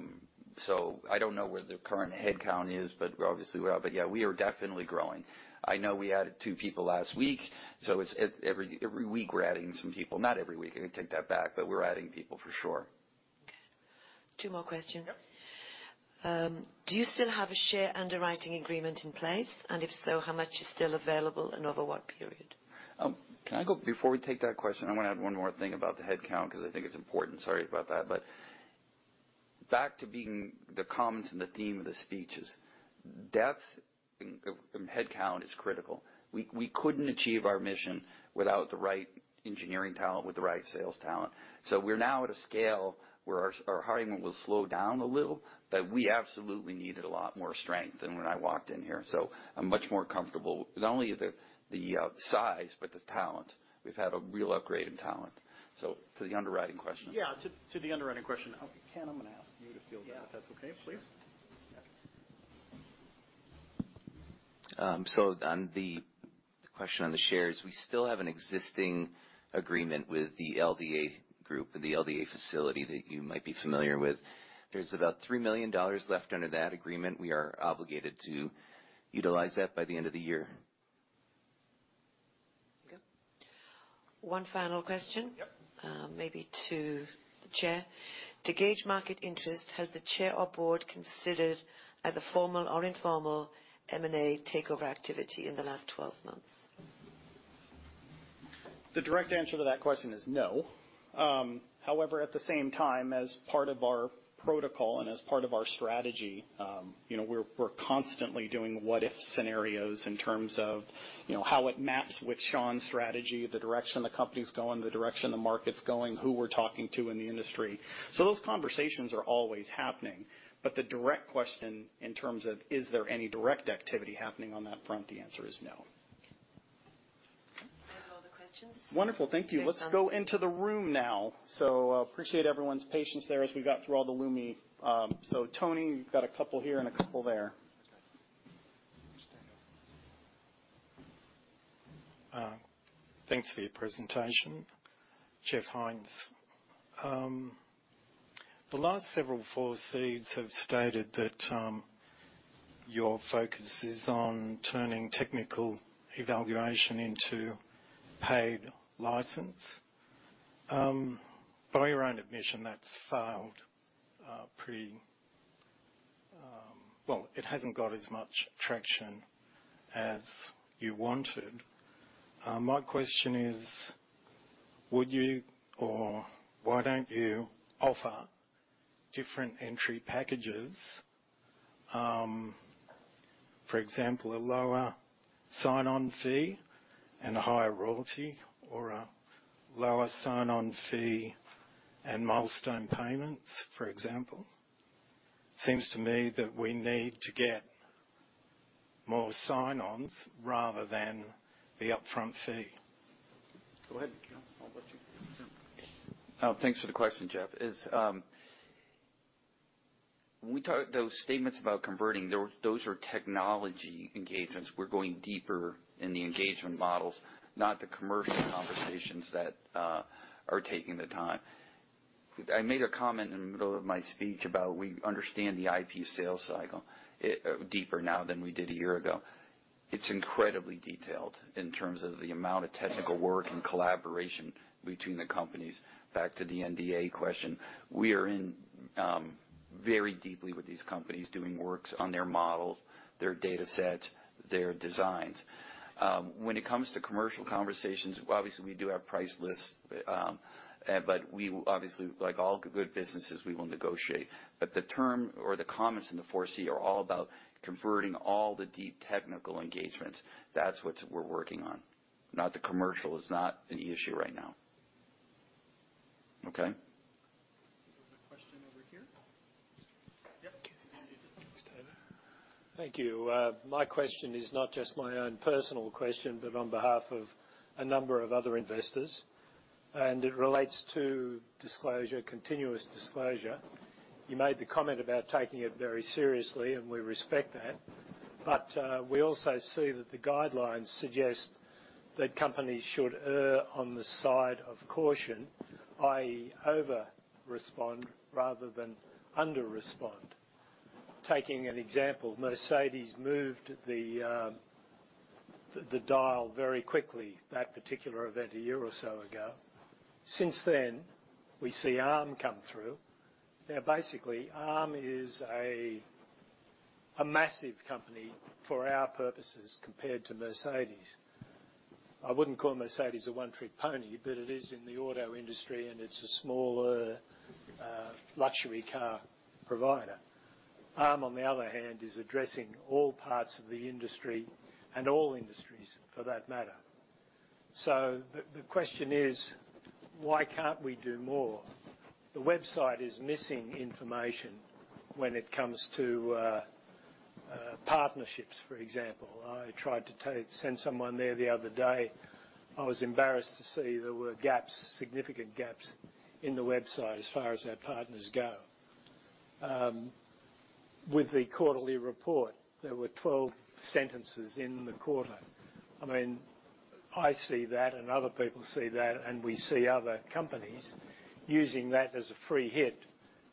Speaker 3: don't know where the current headcount is, but obviously we are. Yeah, we are definitely growing. I know we added two people last week, so it's every week we're adding some people. Not every week, I take that back, but we're adding people for sure.
Speaker 4: Two more questions. Do you still have a share underwriting agreement in place? If so, how much is still available and over what period?
Speaker 3: Before we take that question, I wanna add one more thing about the headcount because I think it's important. Sorry about that. Back to being the comments and the theme of the speeches. Depth and headcount is critical. We couldn't achieve our mission without the right engineering talent, with the right sales talent. We're now at a scale where our hiring will slow down a little, but we absolutely needed a lot more strength than when I walked in here. I'm much more comfortable with not only the size, but the talent. We've had a real upgrade in talent. To the underwriting question.
Speaker 2: Yeah, to the underwriting question. Ken, I'm gonna ask you to field that, if that's okay, please.
Speaker 5: Yeah, sure. Yeah. On the question on the shares, we still have an existing agreement with the LDA Group or the LDA facility that you might be familiar with. There's about $3 million left under that agreement. We are obligated to utilize that by the end of the year.
Speaker 4: There you go. One final question.
Speaker 2: Yep.
Speaker 4: Maybe to the Chair. To gauge market interest, has the Chair or board considered either formal or informal M&A takeover activity in the last 12 months?
Speaker 2: The direct answer to that question is no. However, at the same time, as part of our protocol and as part of our strategy, you know, we're constantly doing what-if scenarios in terms of, you know, how it maps with Sean's strategy, the direction the company's going, the direction the market's going, who we're talking to in the industry. Those conversations are always happening. The direct question in terms of is there any direct activity happening on that front, the answer is no.
Speaker 4: Those are all the questions.
Speaker 2: Wonderful. Thank you.
Speaker 4: Thanks, Sean.
Speaker 2: Let's go into the room now. Appreciate everyone's patience there as we got through all the Lumi. Tony, you've got a couple here and a couple there.
Speaker 6: Thanks for your presentation. Jeff Hine. The last several 4Cs have stated that your focus is on turning technical evaluation into paid license. By your own admission, that's failed. Well, it hasn't got as much traction as you wanted. My question is, would you or why don't you offer different entry packages, for example, a lower sign-on fee and a higher royalty or a lower sign-on fee and milestone payments, for example? Seems to me that we need to get more sign-ons rather than the upfront fee.
Speaker 2: Go ahead, Sean. I'll let you.
Speaker 3: Thanks for the question, Jeff. It's, when we talk those statements about converting, those are technology engagements. We're going deeper in the engagement models, not the commercial conversations that are taking the time. I made a comment in the middle of my speech about we understand the IP sales cycle deeper now than we did a year ago. It's incredibly detailed in terms of the amount of technical work and collaboration between the companies. Back to the NDA question. We are in very deeply with these companies doing works on their models, their datasets, their designs. When it comes to commercial conversations, obviously, we do have price lists, we obviously, like all good businesses, we will negotiate. The term or the comments in the 4C are all about converting all the deep technical engagements. That's what we're working on. Not the commercial is not an issue right now. Okay?
Speaker 2: There's a question over here. Yep.
Speaker 7: Thanks Sean, Thank you. My question is not just my own personal question, but on behalf of a number of other investors, and it relates to disclosure, continuous disclosure. You made the comment about taking it very seriously, and we respect that. We also see that the guidelines suggest that companies should err on the side of caution, i.e., over-respond rather than under-respond. Taking an example, Mercedes moved the dial very quickly, that particular event a year or so ago. Since then, we see Arm come through. Basically, Arm is a massive company for our purposes compared to Mercedes. I wouldn't call Mercedes a one-trick pony, but it is in the auto industry, and it's a smaller luxury car provider. Arm, on the other hand, is addressing all parts of the industry and all industries for that matter. The question is, why can't we do more? The website is missing information when it comes to partnerships, for example. I tried to send someone there the other day. I was embarrassed to see there were gaps, significant gaps in the website as far as their partners go. With the quarterly report, there were 12 sentences in the quarter. I mean, I see that and other people see that, and we see other companies using that as a free hit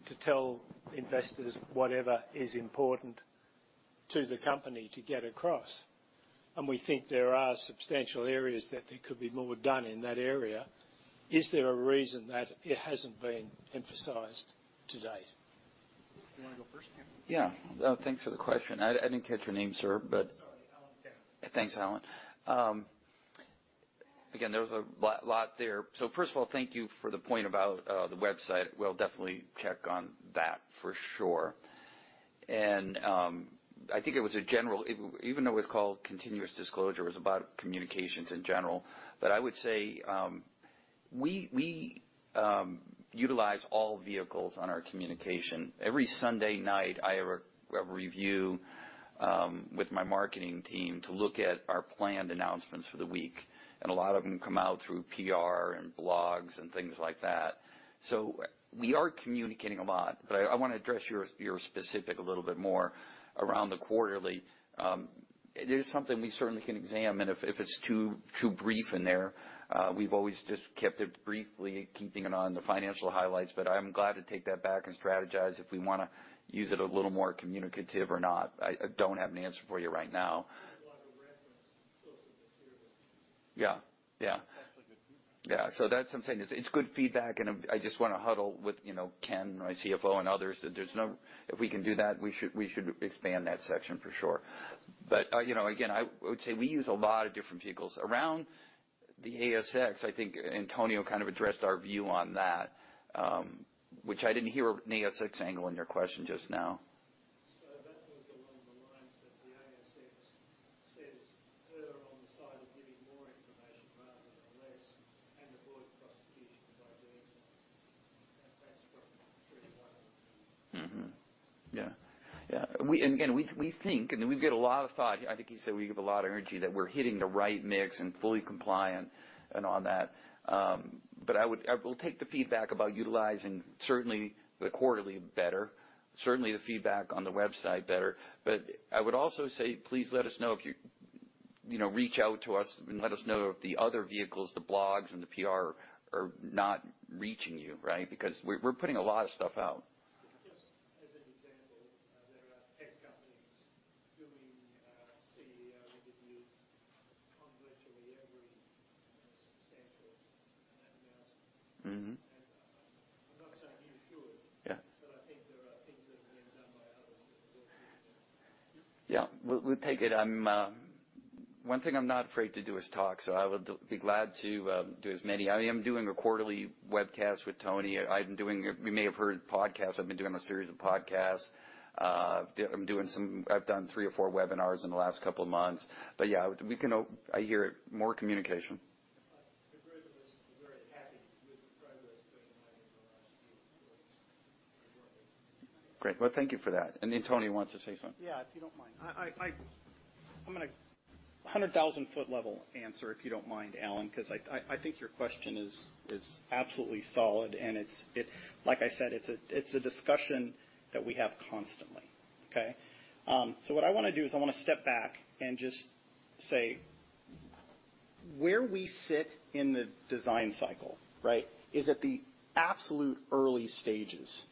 Speaker 7: to tell investors whatever is important to the company to get across. We think there are substantial areas that there could be more done in that area. Is there a reason that it hasn't been emphasized to date?
Speaker 2: You wanna go first, Ken?
Speaker 5: Yeah. Thanks for the question. I didn't catch your name, sir, but-
Speaker 7: Sorry. Alan Campbell.
Speaker 5: Thanks, Alan. There was a lot there. First of all, thank you for the point about the website. We'll definitely check on that for sure. I think it was a general even though it's called continuous disclosure, it was about communications in general. I would say, we utilize all vehicles on our communication. Every Sunday night, I have a review with my marketing team to look at our planned announcements for the week, and a lot of them come out through PR and blogs and things like that. We are communicating a lot. I wanna address your specific a little bit more around the quarterly. It is something we certainly can examine if it's too brief in there. We've always just kept it briefly, keeping it on the financial highlights. I'm glad to take that back and strategize if we wanna use it a little more communicative or not. I don't have an answer for you right now.
Speaker 3: Yeah. Yeah. That's actually good feedback. That's something. It's, it's good feedback, and I just wanna huddle with, you know, Ken, my CFO, and others. There's no, If we can do that, we should expand that section for sure. You know, again, I would say we use a lot of different vehicles. Around the ASX, I think Antonio kind of addressed our view on that, which I didn't hear an ASX angle in your question just now.
Speaker 7: That was along the lines that the ASX says clear on the side of giving more information rather than less, and avoid prosecution by doing so. That's from pretty well.
Speaker 3: Yeah. Yeah. Again, we think, and we give it a lot of thought. I think he said we give a lot of energy that we're hitting the right mix and fully compliant and on that. I will take the feedback about utilizing certainly the quarterly better, certainly the feedback on the website better. I would also say, please let us know if you know, reach out to us and let us know if the other vehicles, the blogs and the PR are not reaching you, right? We're putting a lot of stuff out.
Speaker 7: Just as an example, there are tech companies doing CEO interviews on virtually every substantial announcement. I'm not saying you should.
Speaker 3: Yeah. Yeah. We'll, we'll take it. I'm One thing I'm not afraid to do is talk, so I would be glad to do as many. I am doing a quarterly webcast with Tony. You may have heard podcasts. I've been doing a series of podcasts. I've done three or four webinars in the last couple of months. Yeah, we can I hear more communication.
Speaker 7: The group is very happy with the progress that you've made in the last few quarters.
Speaker 3: Great. Well, thank you for that. Tony wants to say something.
Speaker 2: Yeah, if you don't mind. I'm gonna 100,000 foot level answer, if you don't mind, Alan, 'cause I think your question is absolutely solid and it's like I said, it's a discussion that we have constantly, okay? What I wanna do is I wanna step back and just say where we sit in the design cycle, right? Is at the absolute early stages.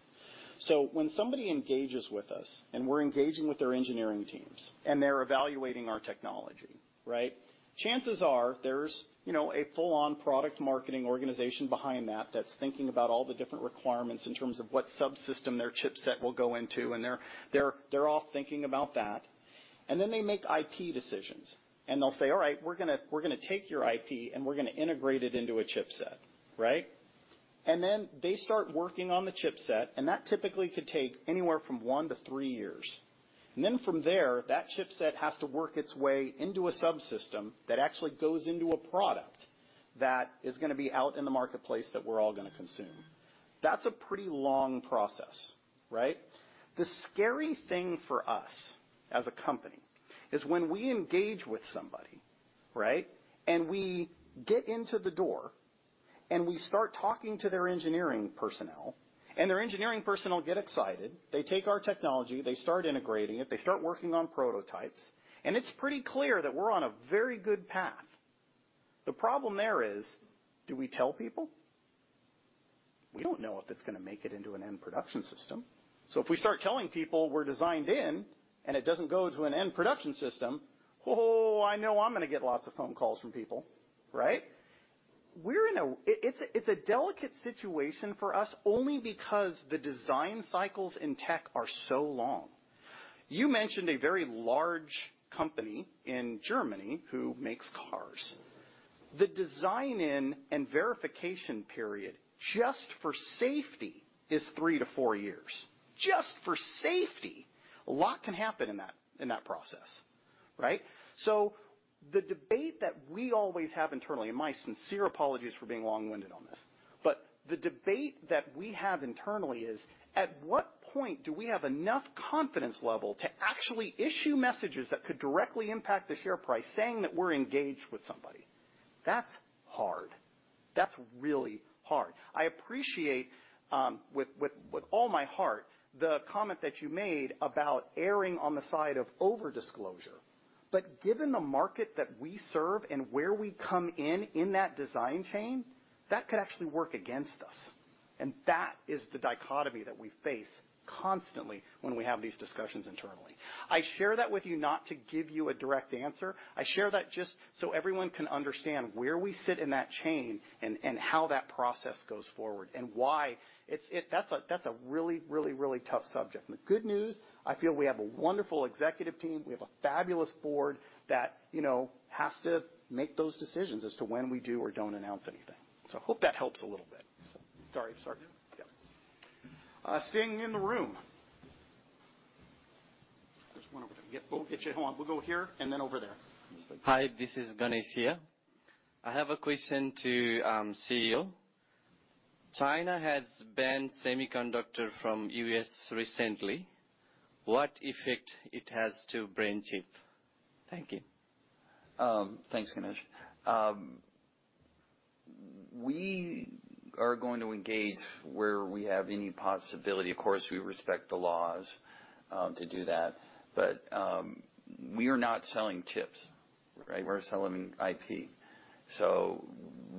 Speaker 2: When somebody engages with us, and we're engaging with their engineering teams, and they're evaluating our technology, right? Chances are there's, you know, a full on product marketing organization behind that that's thinking about all the different requirements in terms of what subsystem their chipset will go into, and they're all thinking about that. Then they make IP decisions, and they'll say, "All right, we're gonna take your IP and we're gonna integrate it into a chipset," right? Then they start working on the chipset, and that typically could take anywhere from one to three years. Then from there, that chipset has to work its way into a subsystem that actually goes into a product that is gonna be out in the marketplace that we're all gonna consume. That's a pretty long process, right? The scary thing for us as a company is when we engage with somebody, right? We get into the door, and we start talking to their engineering personnel, and their engineering personnel get excited. They take our technology, they start integrating it, they start working on prototypes, and it's pretty clear that we're on a very good path. The problem there is, do we tell people? We don't know if it's gonna make it into an end production system. If we start telling people we're designed in and it doesn't go to an end production system, oh, I know I'm gonna get lots of phone calls from people, right? It's a delicate situation for us only because the design cycles in tech are so long. You mentioned a very large company in Germany who makes cars. The design in and verification period, just for safety, is three to four years. Just for safety. A lot can happen in that process, right? The debate that we always have internally, and my sincere apologies for being long-winded on this, the debate that we have internally is, at what point do we have enough confidence level to actually issue messages that could directly impact the share price, saying that we're engaged with somebody? That's hard. That's really hard. I appreciate with all my heart the comment that you made about erring on the side of over-disclosure. Given the market that we serve and where we come in in that design chain, that could actually work against us. That is the dichotomy that we face constantly when we have these discussions internally. I share that with you not to give you a direct answer. I share that just so everyone can understand where we sit in that chain and how that process goes forward and why it's. That's a, that's a really, really, really tough subject. The good news, I feel we have a wonderful executive team. We have a fabulous board that, you know, has to make those decisions as to when we do or don't announce anything. I hope that helps a little bit. Sorry. Sorry. Sitting in the room. There's one over there. We'll get you. Hold on. We'll go here and then over there.
Speaker 8: Hi, this is Ganesh here. I have a question to CEO. China has banned semiconductor from U.S. recently. What effect it has to BrainChip? Thank you.
Speaker 3: Thanks, Ganesh. We are going to engage where we have any possibility. Of course, we respect the laws to do that. We are not selling chips, right? We're selling IP.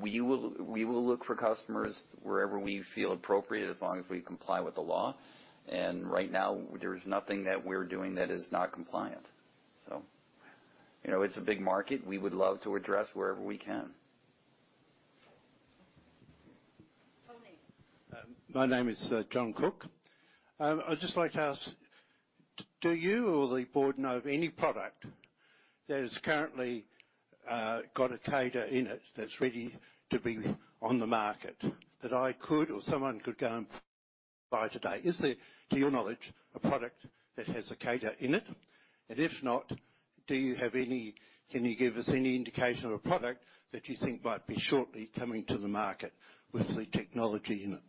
Speaker 3: We will look for customers wherever we feel appropriate as long as we comply with the law. Right now, there is nothing that we're doing that is not compliant. You know, it's a big market. We would love to address wherever we can.
Speaker 9: My name is John Cook. I'd just like to ask, do you or the board know of any product that has currently got a Akida in it that's ready to be on the market that I could or someone could go and buy today? Is there, to your knowledge, a product that has a Akida in it? If not, can you give us any indication of a product that you think might be shortly coming to the market with the technology in it?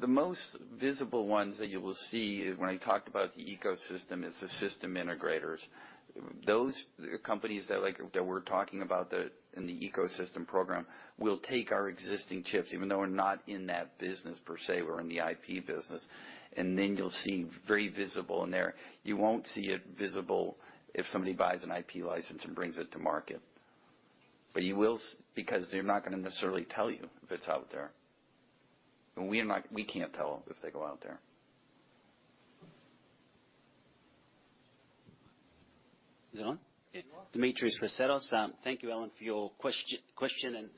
Speaker 3: The most visible ones that you will see when I talked about the ecosystem is the system integrators. Those companies that we're talking about in the ecosystem program will take our existing chips, even though we're not in that business per se, we're in the IP business, and then you'll see very visible in there. You won't see it visible if somebody buys an IP license and brings it to market. You will because they're not gonna necessarily tell you if it's out there. We can't tell if they go out there.
Speaker 8: Is it on?
Speaker 2: Yes, you are.
Speaker 8: Thank you, Alan, for your question, and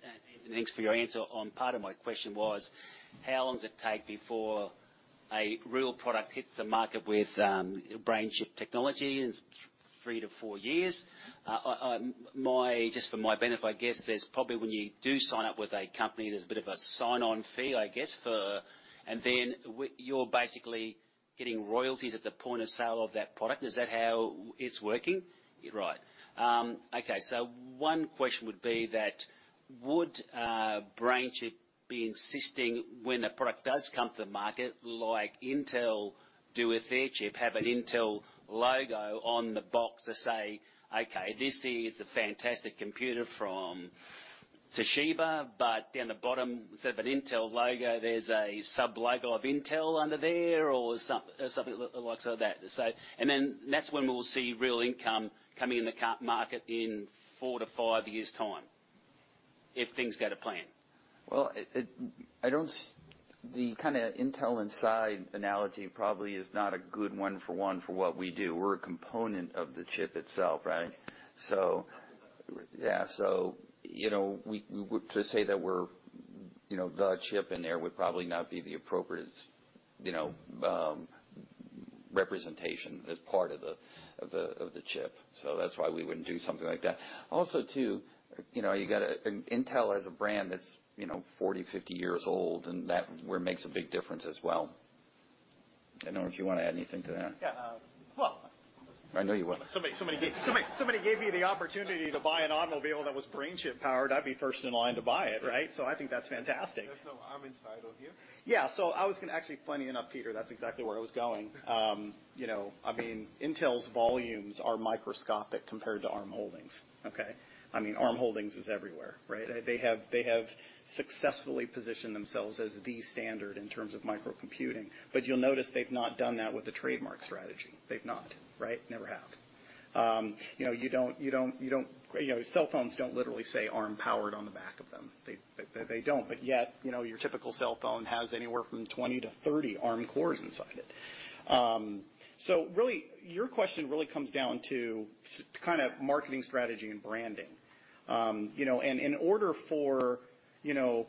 Speaker 8: thanks for your answer on part of my question was, how long does it take before a real product hits the market with BrainChip technology? Is three to four years? Just for my benefit, I guess there's probably when you do sign up with a company, there's a bit of a sign-on fee, I guess, for. And then you're basically getting royalties at the point of sale of that product. Is that how it's working?
Speaker 3: Right.
Speaker 8: One question would be that, would BrainChip be insisting when a product does come to the market, like Intel do with their chip, have an Intel logo on the box to say, "Okay, this is a fantastic computer from Toshiba," but down the bottom, instead of an Intel logo, there's a sub-logo of Intel under there or something like some of that? Then that's when we'll see real income coming in the market in four to five years' time, if things go to plan.
Speaker 3: Well, the kinda Intel Inside analogy probably is not a good one for what we do. We're a component of the chip itself, right? Yeah. You know, to say that we're, you know, the chip in there would probably not be the appropriate, you know, representation as part of the chip. That's why we wouldn't do something like that. Also, too, you know, you gotta Intel as a brand that's, you know, 40, 50 years old, and that where it makes a big difference as well. I don't know if you wanna add anything to that.
Speaker 2: Yeah.
Speaker 3: I know you will.
Speaker 2: If somebody gave me the opportunity to buy an automobile that was BrainChip powered, I'd be first in line to buy it, right? I think that's fantastic.
Speaker 8: There's no Arm inside of here.
Speaker 2: I was gonna, actually, funny enough, Peter, that's exactly where I was going. you know, I mean, Intel's volumes are microscopic compared to Arm Holdings, okay? I mean, Arm Holdings is everywhere, right? They, they have, they have successfully positioned themselves as the standard in terms of micro-computing. You'll notice they've not done that with a trademark strategy. They've not, right? Never have. you know, you don't, you don't, you don't. You know, cell phones don't literally say Arm powered on the back of them. They, they don't. yet, you know, your typical cell phone has anywhere from 20 to 30 Arm cores inside it. really, your question really comes down to kind of marketing strategy and branding. You know, in order for, you know,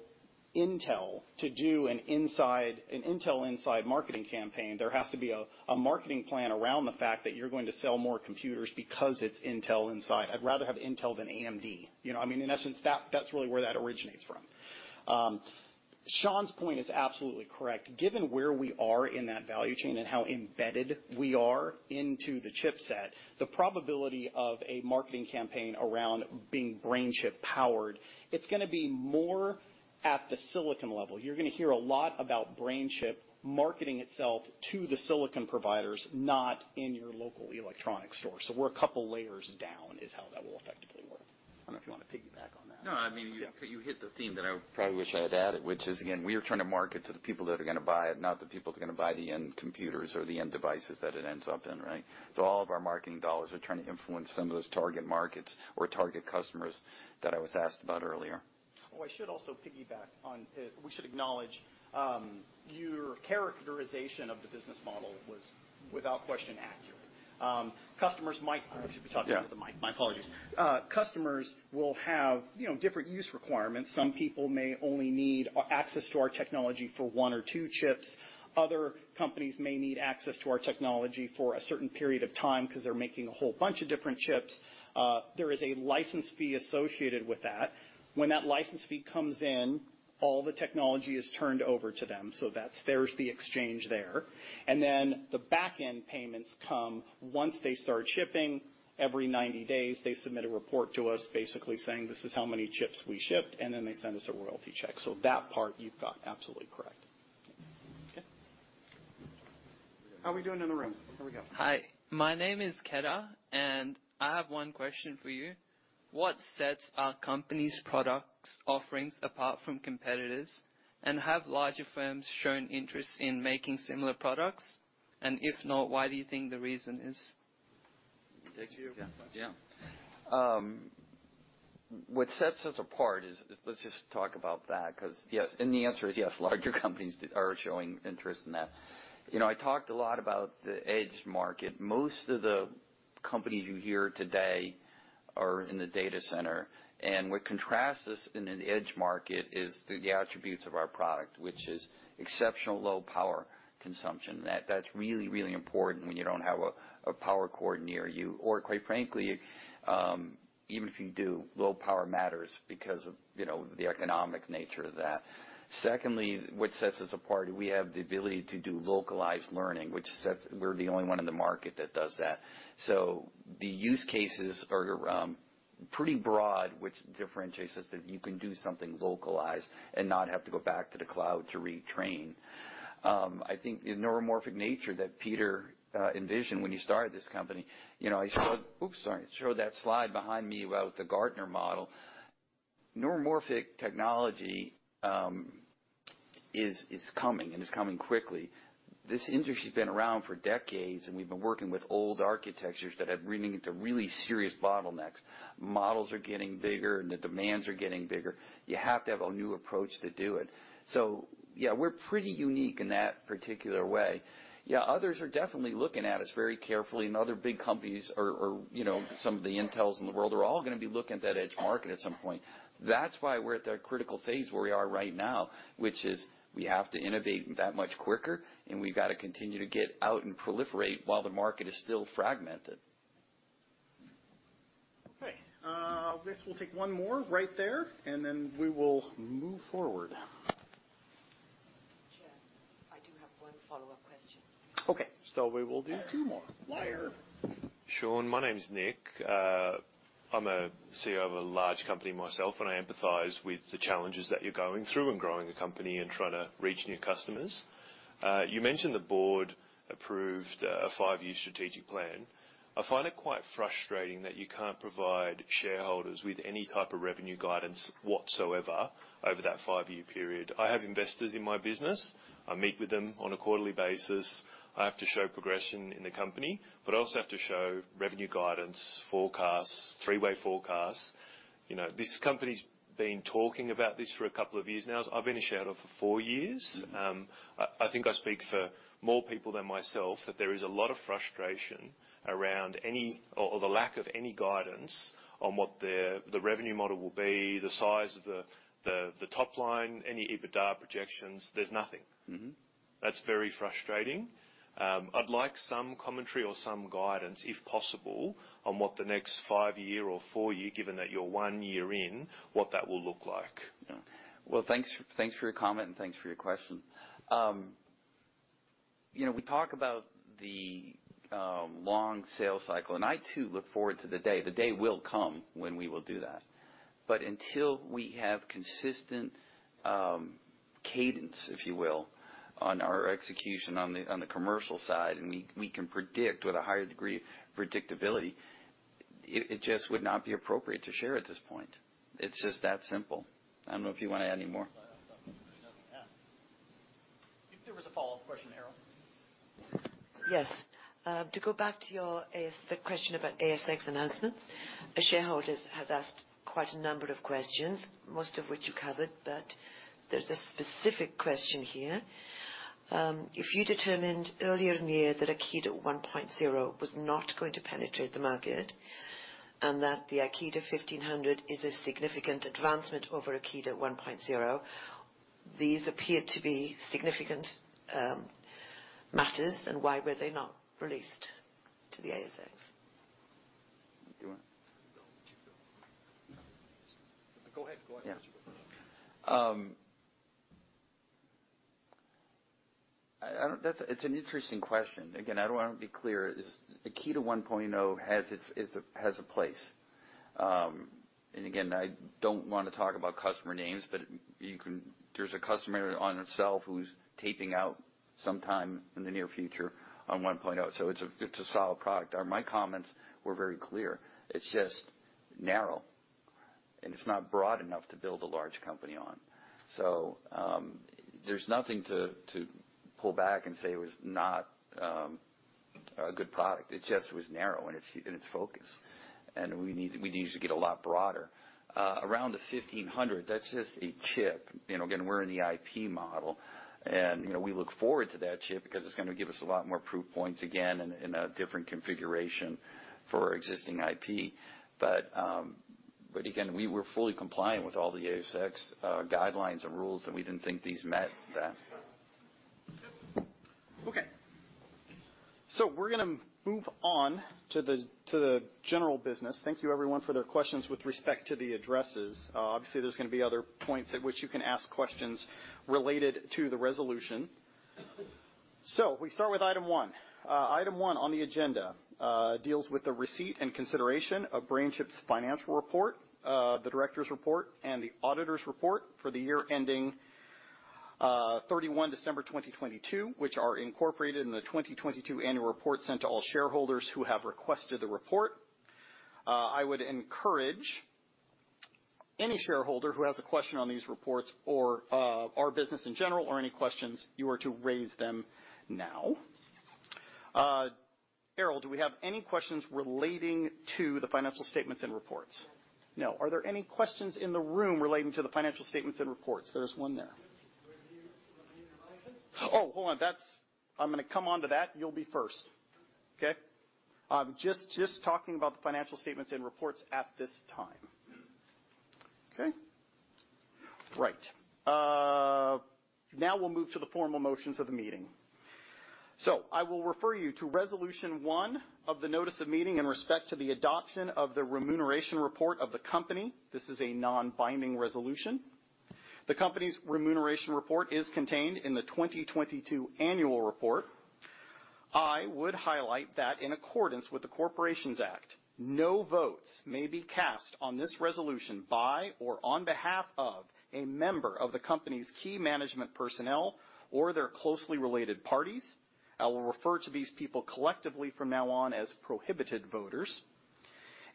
Speaker 2: Intel to do an Intel Inside marketing campaign, there has to be a marketing plan around the fact that you're going to sell more computers because it's Intel Inside. I'd rather have Intel than AMD. You know what I mean? In essence, that's really where that originates from. Sean's point is absolutely correct. Given where we are in that value chain and how embedded we are into the chipset, the probability of a marketing campaign around being BrainChip powered, it's gonna be more at the silicon level. You're gonna hear a lot about BrainChip marketing itself to the silicon providers, not in your local electronic store. We're a couple of layers down is how that will effectively work. I don't know if you wanna piggyback on that.
Speaker 3: No, I mean
Speaker 2: Yeah.
Speaker 3: You hit the theme that I probably wish I had added, which is again, we are trying to market to the people that are gonna buy it, not the people that are gonna buy the end computers or the end devices that it ends up in, right? All of our marketing dollars are trying to influence some of those target markets or target customers that I was asked about earlier.
Speaker 2: Oh, I should also piggyback on. We should acknowledge, your characterization of the business model was, without question, accurate. Customers might.
Speaker 3: Yeah.
Speaker 2: I should be talking into the mic. My apologies. Customers will have, you know, different use requirements. Some people may only need access to our technology for one or two chips. Other companies may need access to our technology for a certain period of time because they're making a whole bunch of different chips. There is a license fee associated with that. When that license fee comes in All the technology is turned over to them, there's the exchange there. The back-end payments come once they start shipping. Every 90 days, they submit a report to us basically saying, "This is how many chips we shipped," and then they send us a royalty check. That part you've got absolutely correct.
Speaker 4: Okay.
Speaker 3: How are we doing in the room? Here we go.
Speaker 8: Hi. My name is Keda, and I have one question for you. What sets our company's products offerings apart from competitors? Have larger firms shown interest in making similar products? If not, why do you think the reason is?
Speaker 3: Yeah. What sets us apart is let's just talk about that because the answer is yes, larger companies are showing interest in that. You know, I talked a lot about the edge market. Most of the companies you hear today are in the data center, and what contrasts us in an edge market is the attributes of our product, which is exceptional low power consumption. That's really important when you don't have a power cord near you. Quite frankly, even if you do, low power matters because of, you know, the economic nature of that. Secondly, what sets us apart, we have the ability to do localized learning, which we're the only one in the market that does that. The use cases are pretty broad, which differentiates us, that you can do something localized and not have to go back to the cloud to retrain. I think the neuromorphic nature that Peter envisioned when you started this company, you know, I showed that slide behind me about the Gartner model. Neuromorphic technology is coming, and it's coming quickly. This industry's been around for decades, and we've been working with old architectures that have run into really serious bottlenecks. Models are getting bigger, and the demands are getting bigger. You have to have a new approach to do it. Yeah, we're pretty unique in that particular way. Yeah, others are definitely looking at us very carefully, and other big companies or, you know, some of the Intels in the world are all gonna be looking at that edge market at some point. That's why we're at that critical phase where we are right now, which is we have to innovate that much quicker, and we've got to continue to get out and proliferate while the market is still fragmented.
Speaker 10: I guess we'll take one more right there, and then we will move forward.
Speaker 4: Jeff, I do have one follow-up question.
Speaker 10: Okay. We will do two more.
Speaker 3: Sure.
Speaker 8: Sean, my name is Nick. I'm a CEO of a large company myself. I empathize with the challenges that you're going through in growing a company and trying to reach new customers. You mentioned the board approved a five year strategic plan. I find it quite frustrating that you can't provide shareholders with any type of revenue guidance whatsoever over that five year period. I have investors in my business. I meet with them on a quarterly basis. I have to show progression in the company, but I also have to show revenue guidance, forecasts, three way forecasts. You know, this company's been talking about this fora couple of years now. I've been a shareholder for four years. I think I speak for more people than myself that there is a lot of frustration around any or the lack of any guidance on what the revenue model will be, the size of the top line, any EBITDA projections. There's nothing. That's very frustrating. I'd like some commentary or some guidance, if possible, on what the next five year or four year, given that you're one year in, what that will look like.
Speaker 3: Thanks for your comment, and thanks for your question. You know, we talk about the long sales cycle, and I too look forward to the day will come when we will do that. Until we have consistent cadence, if you will, on our execution on the commercial side, and we can predict with a higher degree of predictability, it just would not be appropriate to share at this point. It's just that simple. I don't know if you wanna add any more.
Speaker 2: I think there was a follow-up question, Harold.
Speaker 4: Yes. To go back to your the question about ASX announcements, shareholders have asked quite a number of questions, most of which you covered, but there's a specific question here. If you determined earlier in the year that Akida 1.0 was not going to penetrate the market and that the AKD1500 is a significant advancement over Akida 1.0, these appear to be significant matters. Why were they not released to the ASX?
Speaker 3: Do you wanna?
Speaker 2: No, you go. Go ahead.
Speaker 3: Yeah. It's an interesting question. Again, I don't wanna be clear. This Akida 1.0 has a place. Again, I don't wanna talk about customer names, but there's a customer on itself who's taping out sometime in the near future on 1.0, so it's a solid product. My comments were very clear. It's just narrow, and it's not broad enough to build a large company on. There's nothing to pull back and say it was not a good product. It just was narrow in its focus, and we needed to get a lot broader. Around the 1500, that's just a chip. You know, again, we're in the IP model, and, you know, we look forward to that chip because it's gonna give us a lot more proof points, again, in a different configuration for our existing IP. Again, we were fully compliant with all the ASX guidelines and rules, and we didn't think these met that.
Speaker 2: We're gonna move on to the general business. Thank you, everyone, for their questions with respect to the addresses. Obviously, there's gonna be other points at which you can ask questions related to the resolution. We start with item one. Item one on the agenda deals with the receipt and consideration of BrainChip's financial report, the director's report, and the auditor's report for the year ending 31 December 2022, which are incorporated in the 2022 annual report sent to all shareholders who have requested the report. I would encourage any shareholder who has a question on these reports or our business in general or any questions, you are to raise them now. Carol, do we have any questions relating to the financial statements and reports? No. Are there any questions in the room relating to the financial statements and reports? There's one there. Hold on. I'm gonna come on to that. You'll be first. Okay? Just talking about the financial statements and reports at this time. Okay? Now we'll move to the formal motions of the meeting. I will refer you to Resolution 1 of the notice of meeting in respect to the adoption of the remuneration report of the company. This is a non-binding resolution. The company's remuneration report is contained in the 2022 annual report. I would highlight that in accordance with the Corporations Act, no votes may be cast on this resolution by or on behalf of a member of the company's key management personnel or their closely related parties. I will refer to these people collectively from now on as prohibited voters.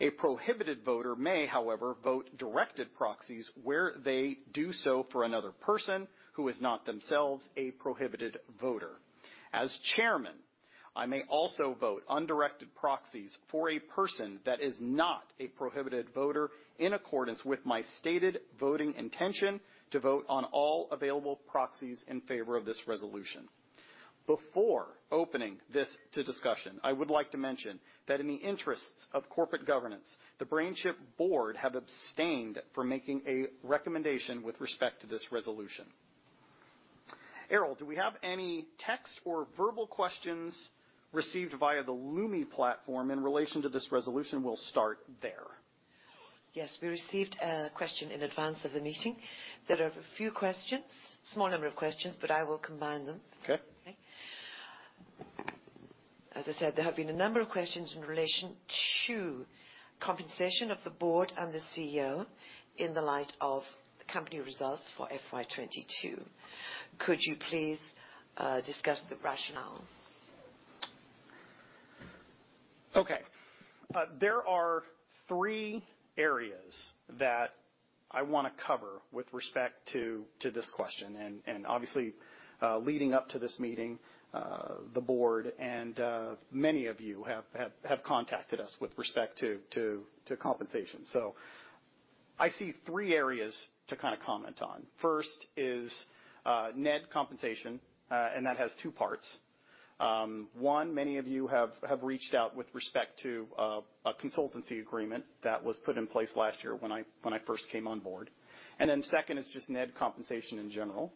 Speaker 2: A prohibited voter may, however, vote directed proxies, where they do so for another person who is not themselves a prohibited voter. As chairman, I may also vote undirected proxies for a person that is not a prohibited voter in accordance with my stated voting intention to vote on all available proxies in favor of this resolution. Before opening this to discussion, I would like to mention that in the interests of corporate governance, the BrainChip board have abstained from making a recommendation with respect to this resolution. Carol, do we have any text or verbal questions received via the Lumi platform in relation to this resolution? We'll start there.
Speaker 4: Yes, we received a question in advance of the meeting. There are a few questions, small number of questions, but I will combine them.
Speaker 2: Okay.
Speaker 4: As I said, there have been a number of questions in relation to compensation of the board and the CEO in the light of the company results for FY 2022. Could you please discuss the rationale?
Speaker 2: Okay. There are three areas that I wanna cover with respect to this question. Obviously, leading up to this meeting, the board and many of you have contacted us with respect to compensation. I see three areas to kinda comment on. First is net compensation, and that has two parts. One, many of you have reached out with respect to a consultancy agreement that was put in place last year when I first came on board. Second is just net compensation in general.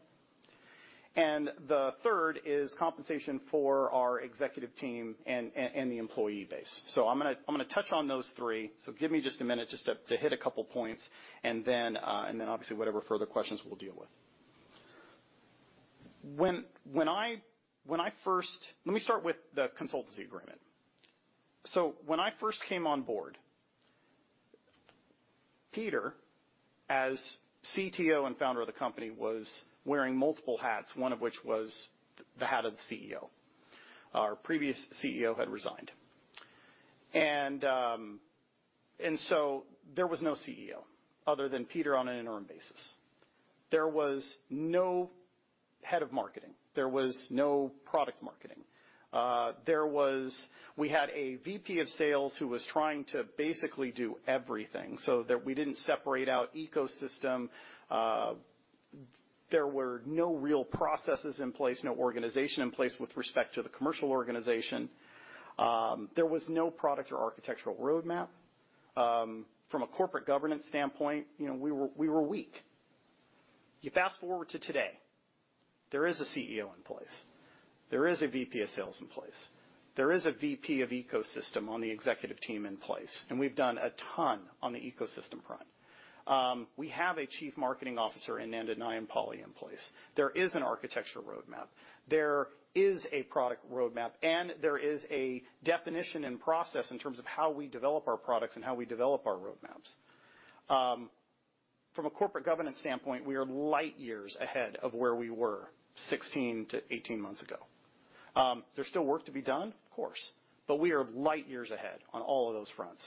Speaker 2: The third is compensation for our executive team and the employee base. I'm gonna touch on those three, so give me just a minute just to hit a couple points. Obviously, whatever further questions we'll deal with. Let me start with the consultancy agreement. When I first came on board, Peter, as CTO and founder of the company, was wearing multiple hats, one of which was the hat of the CEO. Our previous CEO had resigned. There was no CEO other than Peter on an interim basis. There was no head of marketing. There was no product marketing. We had a VP of sales who was trying to basically do everything so that we didn't separate out ecosystem. There were no real processes in place, no organization in place with respect to the commercial organization. There was no product or architectural roadmap. From a corporate governance standpoint, you know, we were weak. You fast-forward to today, there is a CEO in place. There is a VP of sales in place. There is a VP of ecosystem on the executive team in place. We've done a ton on the ecosystem front. We have a Chief Marketing Officer Nandan Nayampally in place. There is an architectural roadmap. There is a product roadmap. There is a definition and process in terms of how we develop our products and how we develop our roadmaps. From a corporate governance standpoint, we are light years ahead of where we were 16 to 18 months ago. There's still work to be done? Of course, but we are light years ahead on all of those fronts.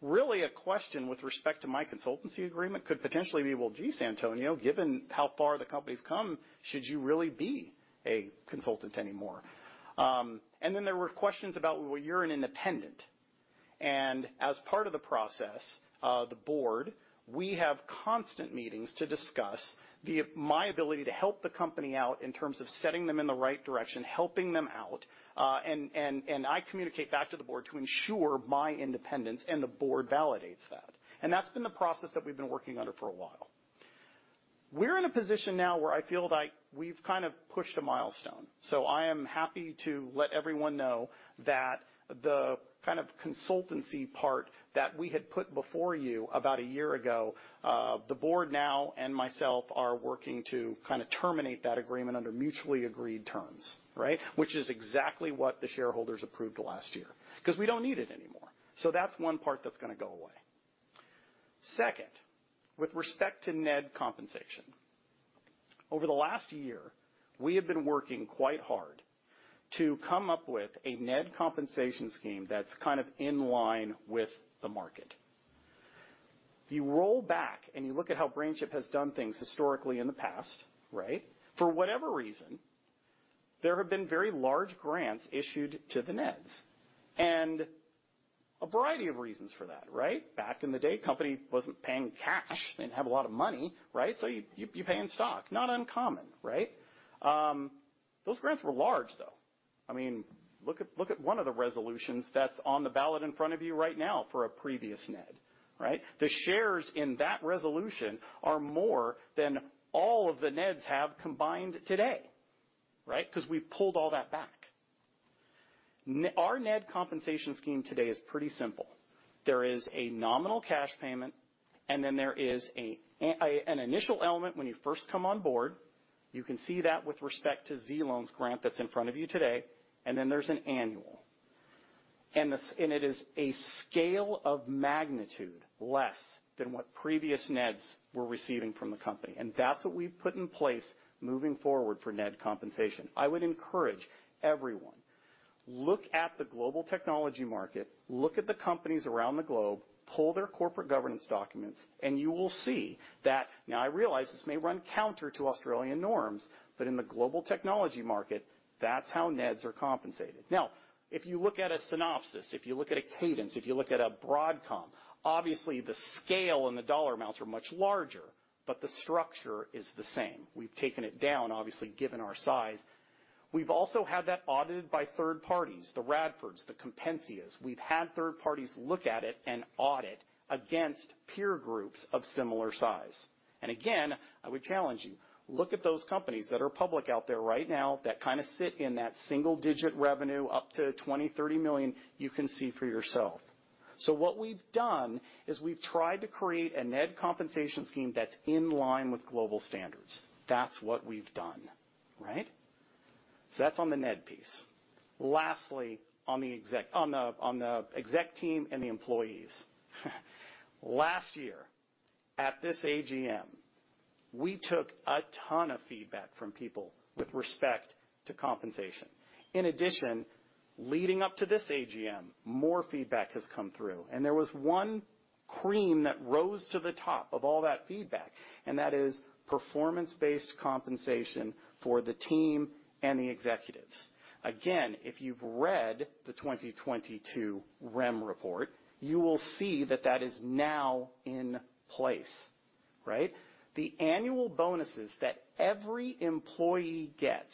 Speaker 2: Really a question with respect to my consultancy agreement could potentially be, "Well, gee, Antonio, given how far the company's come, should you really be a consultant anymore?" Then there were questions about, "Well, you're an independent." As part of the process, the board, we have constant meetings to discuss my ability to help the company out in terms of setting them in the right direction, helping them out, and I communicate back to the board to ensure my independence, and the board validates that. That's been the process that we've been working under for a while. We're in a position now where I feel like we've kind of pushed a milestone. I am happy to let everyone know that the kind of consultancy part that we had put before you about a year ago, the board now and myself are working to kinda terminate that agreement under mutually agreed terms, right. Which is exactly what the shareholders approved last year, 'cause we don't need it anymore. That's one part that's gonna go away. Second, with respect to NED compensation. Over the last year, we have been working quite hard to come up with a NED compensation scheme that's kind of in line with the market. If you roll back and you look at how BrainChip has done things historically in the past, right. For whatever reason, there have been very large grants issued to the NEDs, and a variety of reasons for that, right. Back in the day, company wasn't paying cash. Didn't have a lot of money, right? You pay in stock. Not uncommon, right? Those grants were large, though. I mean, look at one of the resolutions that's on the ballot in front of you right now for a previous NED, right? The shares in that resolution are more than all of the NEDs have combined today, right? 'Cause we pulled all that back. Our NED compensation scheme today is pretty simple. There is a nominal cash payment, and then there is an initial element when you first come on board. You can see that with respect to Duy-Loan's grant that's in front of you today, and then there's an annual. It is a scale of magnitude less than what previous NEDs were receiving from the company, and that's what we've put in place moving forward for NED compensation. I would encourage everyone, look at the global technology market, look at the companies around the globe, pull their corporate governance documents, and you will see that I realize this may run counter to Australian norms, in the global technology market, that's how NEDs are compensated. If you look at a Synopsys, if you look at a Cadence, if you look at a Broadcom, obviously the scale and the dollar amounts are much larger, the structure is the same. We've taken it down, obviously, given our size. We've also had that audited by third parties, the Radfords, the Compensia. We've had third parties look at it and audit against peer groups of similar size. Again, I would challenge you, look at those companies that are public out there right now that kinda sit in that single digit revenue, up to $20 million, $30 million, you can see for yourself. What we've done is we've tried to create a NED compensation scheme that's in line with global standards. That's what we've done, right? That's on the NED piece. Lastly, on the exec team and the employees. Last year, at this AGM, we took a ton of feedback from people with respect to compensation. In addition, leading up to this AGM, more feedback has come through, and there was one cream that rose to the top of all that feedback, and that is performance-based compensation for the team and the executives. If you've read the 2022 REM Report, you will see that that is now in place, right? The annual bonuses that every employee gets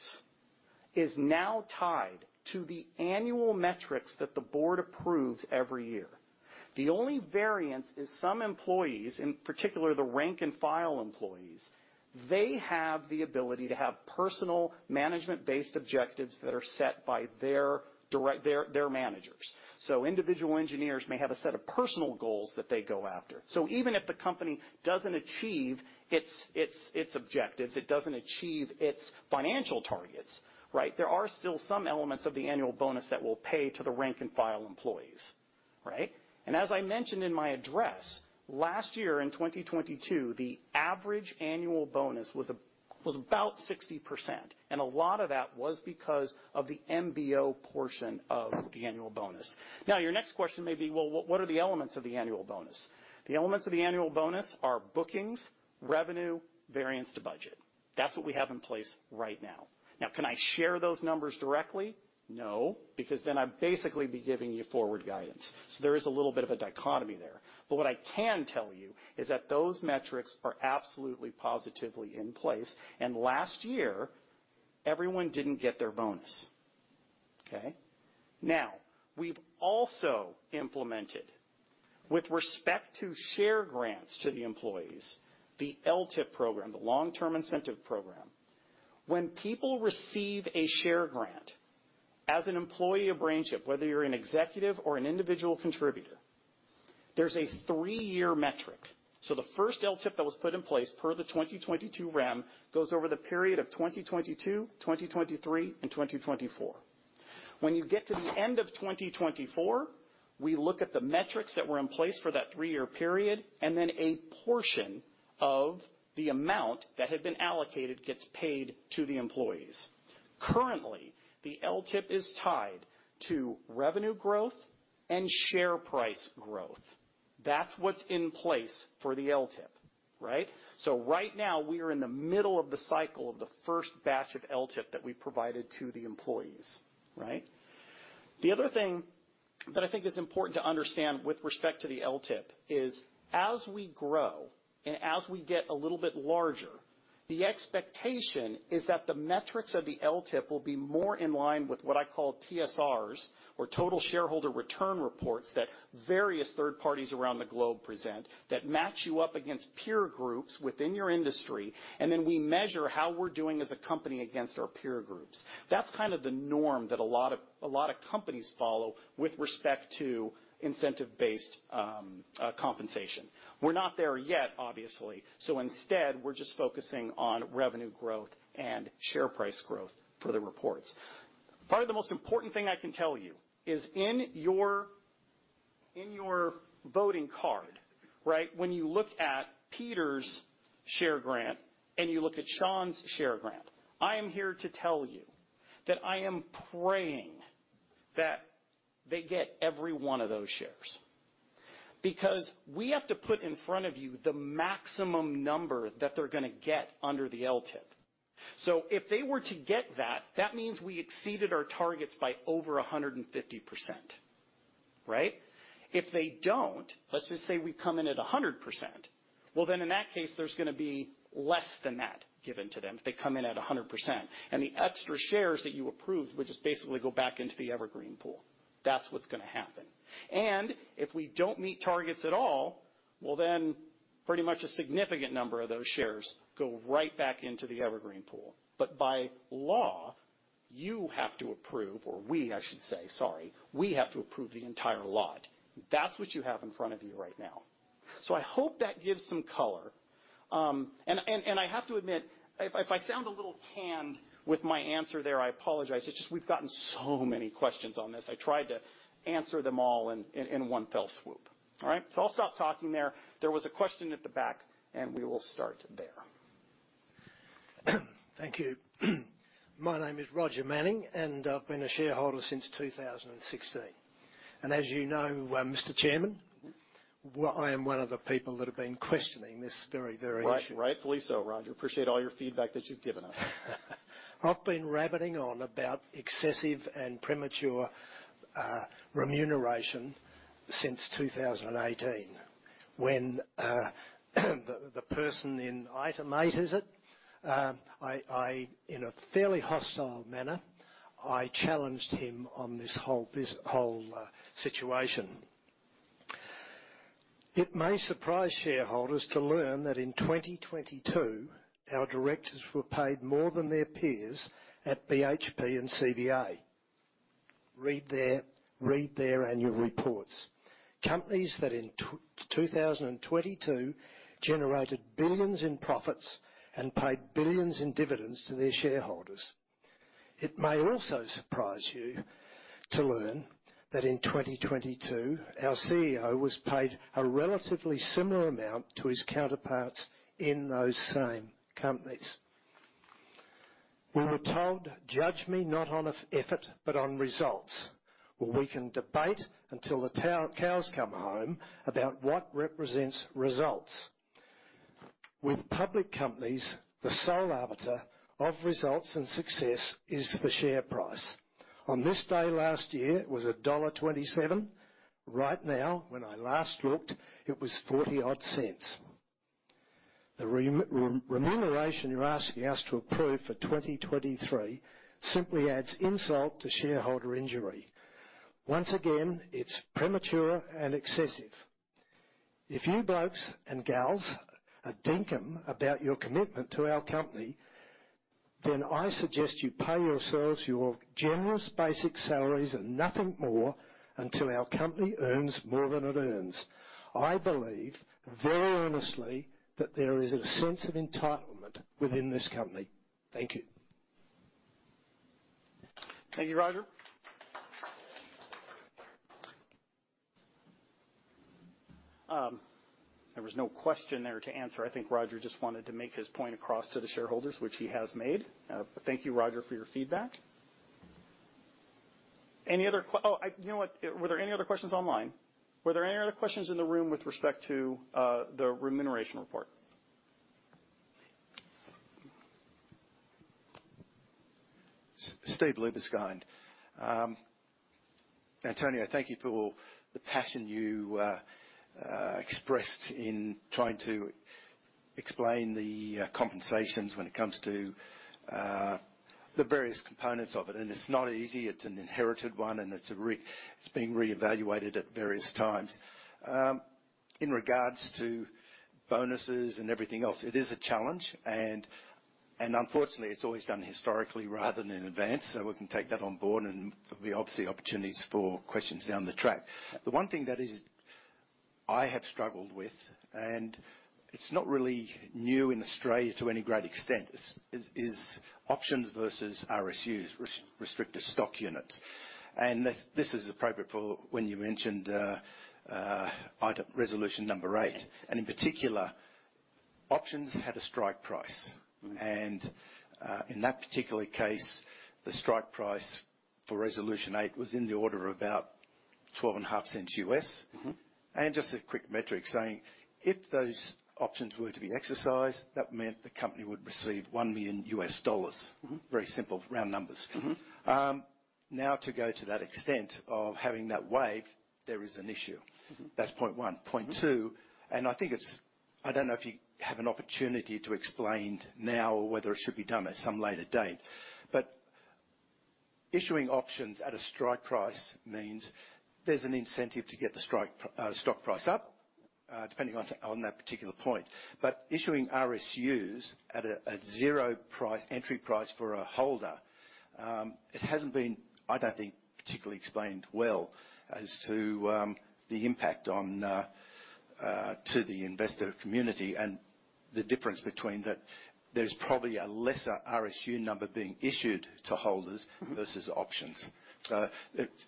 Speaker 2: is now tied to the annual metrics that the board approves every year. The only variance is some employees, in particular the rank and file employees, they have the ability to have personal management-based objectives that are set by their direct their managers. Individual engineers may have a set of personal goals that they go after. Even if the company doesn't achieve its objectives, it doesn't achieve its financial targets, right? There are still some elements of the annual bonus that we'll pay to the rank and file employees, right? As I mentioned in my address, last year in 2022, the average annual bonus was about 60%, and a lot of that was because of the MBO portion of the annual bonus. Your next question may be, "Well, what are the elements of the annual bonus?" The elements of the annual bonus are bookings, revenue, variance to budget. That's what we have in place right now. Can I share those numbers directly? No, because then I'd basically be giving you forward guidance. There is a little bit of a dichotomy there. What I can tell you is that those metrics are absolutely, positively in place, and last year, everyone didn't get their bonus. Okay? We've also implemented, with respect to share grants to the employees, the LTIP program, the Long-Term Incentive Program. When people receive a share grant as an employee of BrainChip, whether you're an executive or an individual contributor, there's a three-year metric. The first LTIP that was put in place per the 2022 REM goes over the period of 2022, 2023, and 2024. You get to the end of 2024, we look at the metrics that were in place for that three-year period and then a portion of the amount that had been allocated gets paid to the employees. Currently, the LTIP is tied to revenue growth and share price growth. That's what's in place for the LTIP, right? Right now we are in the middle of the cycle of the first batch of LTIP that we provided to the employees, right? The other thing that I think is important to understand with respect to the LTIP is as we grow and as we get a little bit larger. The expectation is that the metrics of the LTIP will be more in line with what I call TSRs or total shareholder return reports that various third parties around the globe present that match you up against peer groups within your industry, and then we measure how we're doing as a company against our peer groups. That's kind of the norm that a lot of companies follow with respect to incentive-based compensation. We're not there yet, obviously. Instead, we're just focusing on revenue growth and share price growth for the reports. Probably the most important thing I can tell you is in your, in your voting card, right? When you look at Peter's share grant and you look at Sean's share grant, I am here to tell you that I am praying that they get every one of those shares because we have to put in front of you the maximum number that they're gonna get under the LTIP. If they were to get that means we exceeded our targets by over 150%, right? If they don't, let's just say we come in at 100%, well, then in that case, there's gonna be less than that given to them if they come in at 100%. The extra shares that you approved will just basically go back into the evergreen pool. That's what's gonna happen. If we don't meet targets at all, well, then pretty much a significant number of those shares go right back into the evergreen pool. By law, you have to approve, or we, I should say, sorry, we have to approve the entire lot. That's what you have in front of you right now. I hope that gives some color. And I have to admit, if I sound a little canned with my answer there, I apologize. It's just we've gotten so many questions on this. I tried to answer them all in one fell swoop. All right? I'll stop talking there. There was a question at the back, and we will start there.
Speaker 8: Thank you. My name is Roger Manning, and I've been a shareholder since 2016. As you know, Mr. Chairman. Well, I am one of the people that have been questioning this very, very issue.
Speaker 2: Right. Rightfully so, Roger. Appreciate all your feedback that you've given us.
Speaker 11: I've been rabbiting on about excessive and premature remuneration since 2018 when the person in item eight, is it? I, in a fairly hostile manner, I challenged him on this whole situation. It may surprise shareholders to learn that in 2022, our directors were paid more than their peers at BHP and CBA.
Speaker 12: Read their annual reports. Companies that in 2022 generated billions in profits and paid billions in dividends to their shareholders. It may also surprise you to learn that in 2022, our CEO was paid a relatively similar amount to his counterparts in those same companies. We were told, "Judge me not on effort, but on results." Well, we can debate until the tow-cows come home about what represents results.
Speaker 11: With public companies, the sole arbiter of results and success is the share price. On this day last year, it was dollar 1.27. Right now, when I last looked, it was 0.40-odd. The remuneration you're asking us to approve for 2023 simply adds insult to shareholder injury.
Speaker 8: Once again, it's premature and excessive. If you blokes and gals are dinkum about your commitment to our company, I suggest you pay yourselves your generous basic salaries and nothing more until our company earns more than it earns. I believe, very honestly, that there is a sense of entitlement within this company. Thank you.
Speaker 2: Thank you, Roger. There was no question there to answer. I think Roger just wanted to make his point across to the shareholders, which he has made. Thank you, Roger, for your feedback. You know what? Were there any other questions online? Were there any other questions in the room with respect to the remuneration report?
Speaker 12: Steve Liebeskind. Antonio, thank you for the passion you expressed in trying to explain the compensations when it comes to the various components of it, and it's not easy. It's an inherited one, and it's being reevaluated at various times. In regards to bonuses and everything else, it is a challenge, and unfortunately, it's always done historically rather than in advance. We can take that on board, and there'll be obviously opportunities for questions down the track. The one thing that is, I have struggled with, and it's not really new in Australia to any great extent, is options versus RSUs, Restricted Stock Units. This is appropriate for when you mentioned item resolution number eight. In particular, options had a strike price. In that particular case, the strike price for Resolution 8 was in the order of about $0.125. Just a quick metric saying if those options were to be exercised, that meant the company would receive $1 million. Very simple round numbers. Now to go to that extent of having that waived, there is an issue. That's point one. Point two. I think it's. I don't know if you have an opportunity to explain now or whether it should be done at some later date. Issuing options at a strike price means there's an incentive to get the strike stock price up, depending on that particular point. Issuing RSUs at zero price entry price for a holder, it hasn't been, I don't think, particularly explained well as to the impact on to the investor community and the difference between that. There's probably a lesser RSU number being issued to holders. Versus options.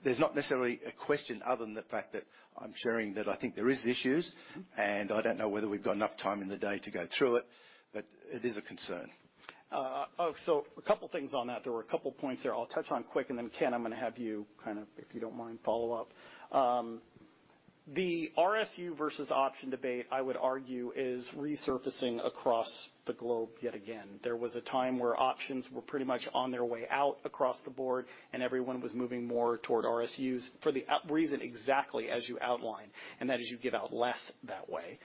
Speaker 12: there's not necessarily a question other than the fact that I'm sharing that I think there is issues. I don't know whether we've got enough time in the day to go through it, but it is a concern.
Speaker 2: Oh, a couple things on that. There were a couple points there I'll touch on quick, and then Ken, I'm gonna have you kind of, if you don't mind, follow up. The RSU versus option debate, I would argue, is resurfacing across the globe yet again. There was a time where options were pretty much on their way out across the board, and everyone was moving more toward RSUs for the up reason exactly as you outline, and that is you give out less that way.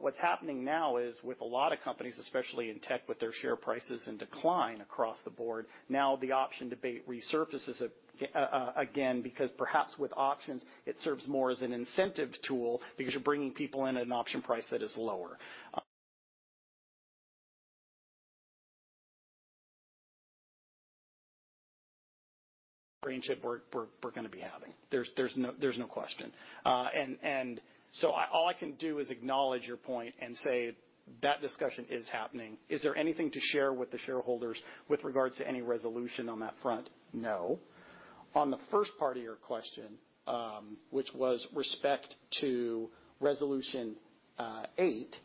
Speaker 2: What's happening now is with a lot of companies, especially in tech, with their share prices in decline across the board. Now the option debate resurfaces again because perhaps with options, it serves more as an incentive tool because you're bringing people in at an option price that is lower. Range that we're gonna be having. There's no question. All I can do is acknowledge your point and say that discussion is happening. Is there anything to share with the shareholders with regards to any resolution on that front? No. On the first part of your question, which was respect to resolution 8,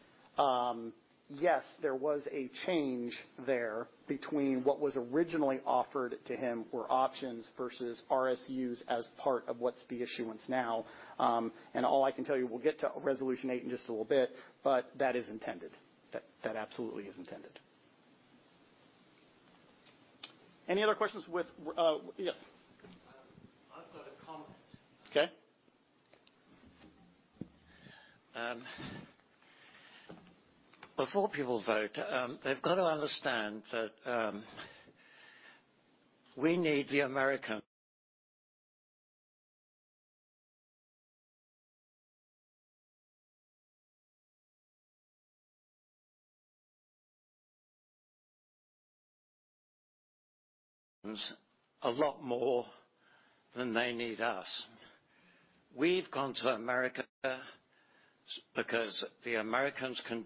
Speaker 2: yes, there was a change there between what was originally offered to him were options versus RSUs as part of what's the issuance now. All I can tell you, we'll get to resolution 8 in just a little bit, but that is intended. That absolutely is intended. Any other questions with. Yes.
Speaker 4: I've got a comment.
Speaker 2: Okay.
Speaker 4: Before people vote, they've got to understand that we need the Americans a lot more than they need us. We've gone to America because the Americans can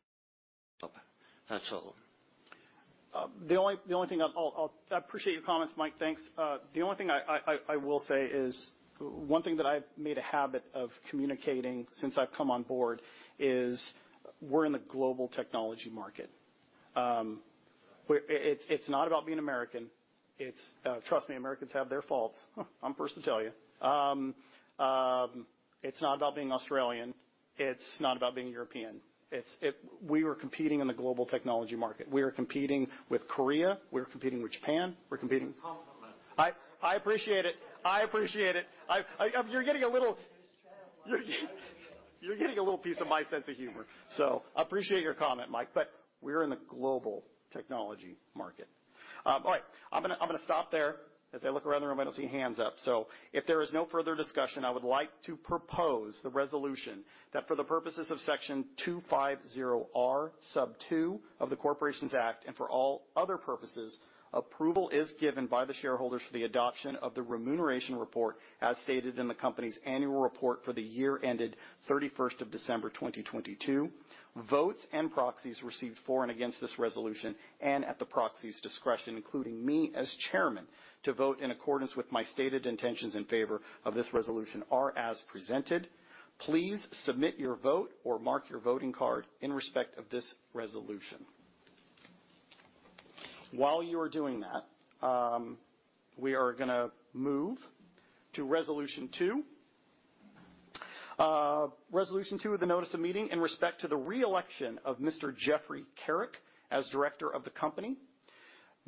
Speaker 4: That's all.
Speaker 2: The only thing I appreciate your comments, Mike. Thanks. The only thing I will say is one thing that I've made a habit of communicating since I've come on board is we're in the global technology market. It's not about being American. It's trust me, Americans have their faults. I'm first to tell you. It's not about being Australian. It's not about being European. We are competing in the global technology market. We are competing with Korea. We're competing with Japan. We're competing.
Speaker 4: It's a compliment.
Speaker 2: I appreciate it. I appreciate it. You're getting a little piece of my sense of humor. So I appreciate your comment, Mike, but we're in the global technology market. All right. I'm gonna, I'm gonna stop there. As I look around the room, I don't see hands up. So if there is no further discussion, I would like to propose the resolution that for the purposes of Section 250R(2) of the Corporations Act and for all other purposes, approval is given by the shareholders for the adoption of the remuneration report as stated in the company's annual report for the year ended 31st of December 2022. Votes and proxies received for and against this resolution and at the proxy's discretion, including me as chairman to vote in accordance with my stated intentions in favor of this resolution, are as presented. Please submit your vote or mark your voting card in respect of this resolution. While you are doing that, we are going to move to resolution 2. Resolution 2 of the notice of meeting in respect to the reelection of Mr. Geoffrey Carrick as Director of the Company.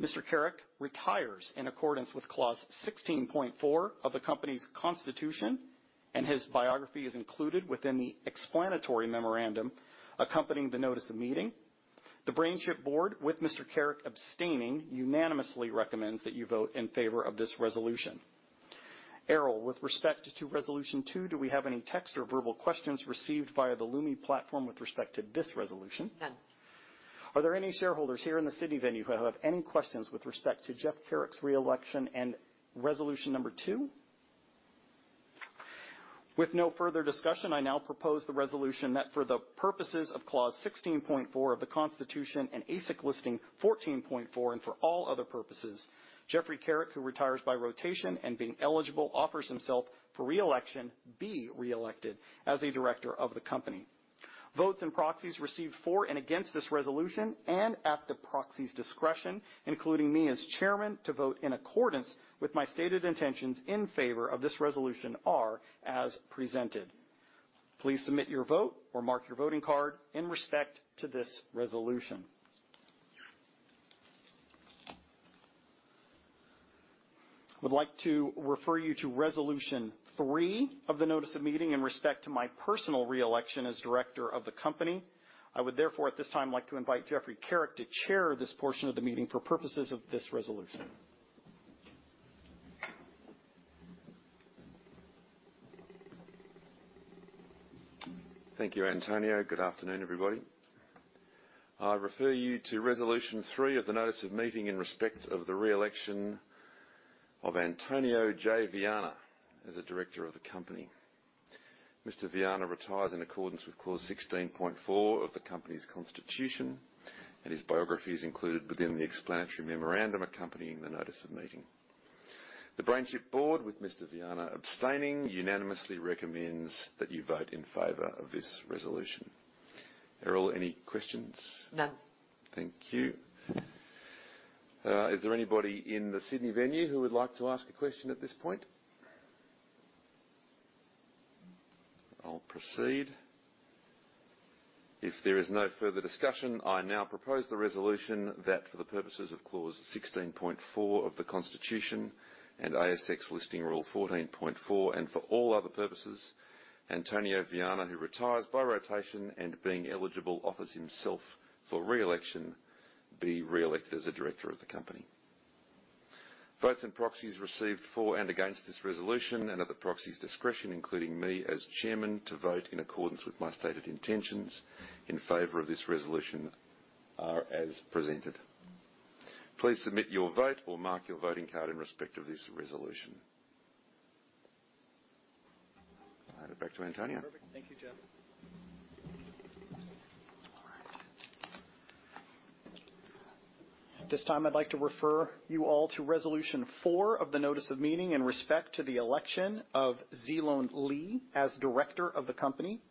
Speaker 2: Mr. Carrick retires in accordance with Clause 16.4 of the company's constitution. His biography is included within the explanatory memorandum accompanying the notice of meeting. The BrainChip board, with Mr. Carrick abstaining, unanimously recommends that you vote in favor of this resolution. Carol, with respect to resolution 2, do we have any text or verbal questions received via the Lumi platform with respect to this resolution?
Speaker 4: None.
Speaker 2: Are there any shareholders here in the Sydney venue who have any questions with respect to Jeff Carrick's reelection and resolution number 2? With no further discussion, I now propose the resolution that for the purposes of clause 16.4 of the Constitution and ASX Listing Rule 14.4 and for all other purposes, Geoffrey Carrick, who retires by rotation and being eligible, offers himself for reelection, be reelected as a director of the company. Votes and proxies received for and against this resolution and at the proxy's discretion, including me as chairman, to vote in accordance with my stated intentions in favor of this resolution are as presented. Please submit your vote or mark your voting card in respect to this resolution. I would like to refer you to resolution 3 of the notice of meeting in respect to my personal reelection as director of the company. I would therefore at this time like to invite Geoffrey Carrick to chair this portion of the meeting for purposes of this resolution.
Speaker 10: Thank you, Antonio. Good afternoon, everybody. I refer you to resolution 3 of the notice of meeting in respect of the re-election of Antonio J. Viana as a Director of the company. Mr. Viana retires in accordance with clause 16.4 of the company's constitution. His biography is included within the explanatory memorandum accompanying the notice of meeting. The BrainChip board, with Mr. Viana abstaining, unanimously recommends that you vote in favor of this resolution. Carol, any questions?
Speaker 4: None.
Speaker 10: Thank you. Is there anybody in the Sydney venue who would like to ask a question at this point? I'll proceed. If there is no further discussion, I now propose the resolution that for the purposes of clause 16.4 of the constitution and ASX Listing Rule 14.4, for all other purposes, Antonio Viana, who retires by rotation and being eligible, offers himself for reelection, be reelected as a director of the company. Votes and proxies received for and against this resolution and at the proxy's discretion, including me as chairman, to vote in accordance with my stated intentions in favor of this resolution are as presented. Please submit your vote or mark your voting card in respect of this resolution. I'll hand it back to Antonio.
Speaker 2: Perfect. Thank you, Jeff. At this time, I'd like to refer you all to resolution 4 of the notice of meeting in respect to the election of Duy-Loan Le as director of the company.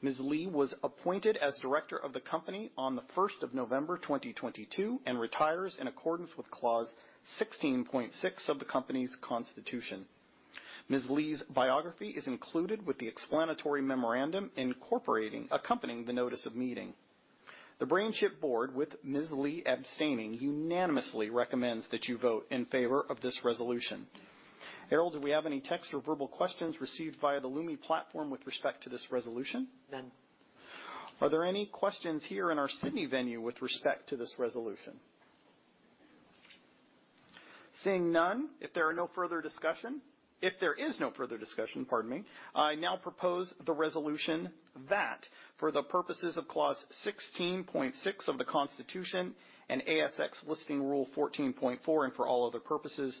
Speaker 2: Ms. Le was appointed as director of the company on the first of November 2022 and retires in accordance with clause 16.6 of the company's constitution. Ms. Le's biography is included with the explanatory memorandum incorporating, accompanying the notice of meeting. The BrainChip board, with Ms. Le abstaining, unanimously recommends that you vote in favor of this resolution. Carol, do we have any text or verbal questions received via the Lumi platform with respect to this resolution?
Speaker 4: None.
Speaker 2: Are there any questions here in our Sydney venue with respect to this resolution? Seeing none, if there is no further discussion, pardon me, I now propose the resolution that for the purposes of clause 16.6 of the constitution and ASX Listing Rule 14.4, and for all other purposes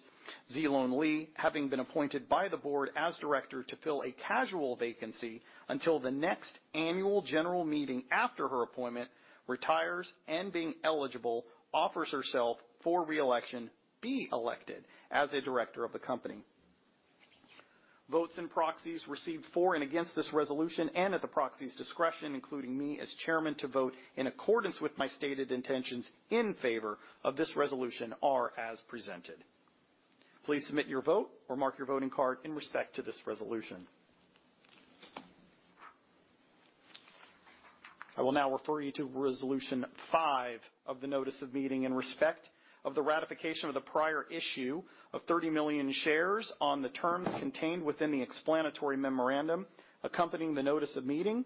Speaker 2: Duy-Loan Le, having been appointed by the board as director to fill a casual vacancy until the next annual general meeting after her appointment, retires and being eligible, offers herself for re-election, be elected as a director of the company. Votes and proxies received for and against this resolution and at the proxy's discretion, including me as Chairman, to vote in accordance with my stated intentions in favor of this resolution are as presented. Please submit your vote or mark your voting card in respect to this resolution. I will now refer you to resolution 5 of the notice of meeting in respect of the ratification of the prior issue of 30 million shares on the terms contained within the explanatory memorandum accompanying the notice of meeting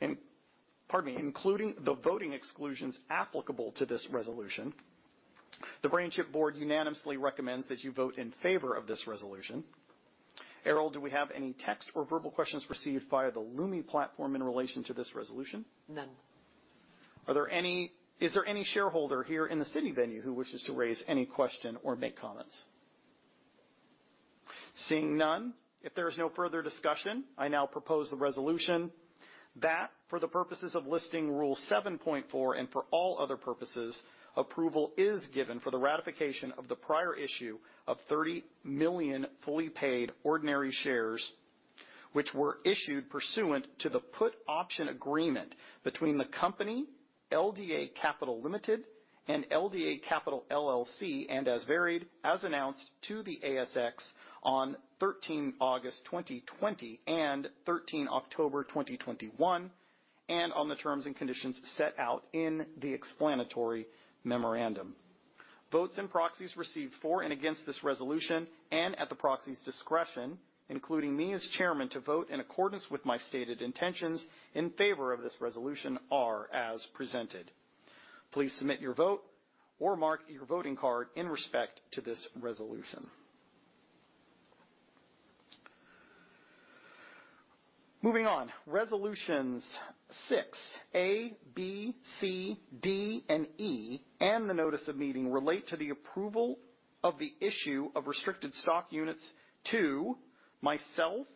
Speaker 2: and, pardon me, including the voting exclusions applicable to this resolution. The BrainChip board unanimously recommends that you vote in favor of this resolution. Carol, do we have any text or verbal questions received via the Lumi platform in relation to this resolution?
Speaker 4: None.
Speaker 2: Is there any shareholder here in the Sydney venue who wishes to raise any question or make comments? Seeing none, if there is no further discussion, I now propose the resolution that for the purposes of Listing Rule 7.4 And for all other purposes, approval is given for the ratification of the prior issue of 30 million fully paid ordinary shares, which were issued pursuant to the put option agreement between the company, LDA Capital Limited, and LDA Capital LLC, and as varied as announced to the ASX on 13 August 2020 and 13 October 2021, and on the terms and conditions set out in the explanatory memorandum. Votes and proxies received for and against this resolution and at the proxy's discretion, including me as chairman, to vote in accordance with my stated intentions in favor of this resolution are as presented. Please submit your vote or mark your voting card in respect to this resolution. Moving on. Resolutions 6A, B, C, D, and E, and the notice of meeting relate to the approval of the issue of restricted stock units to myself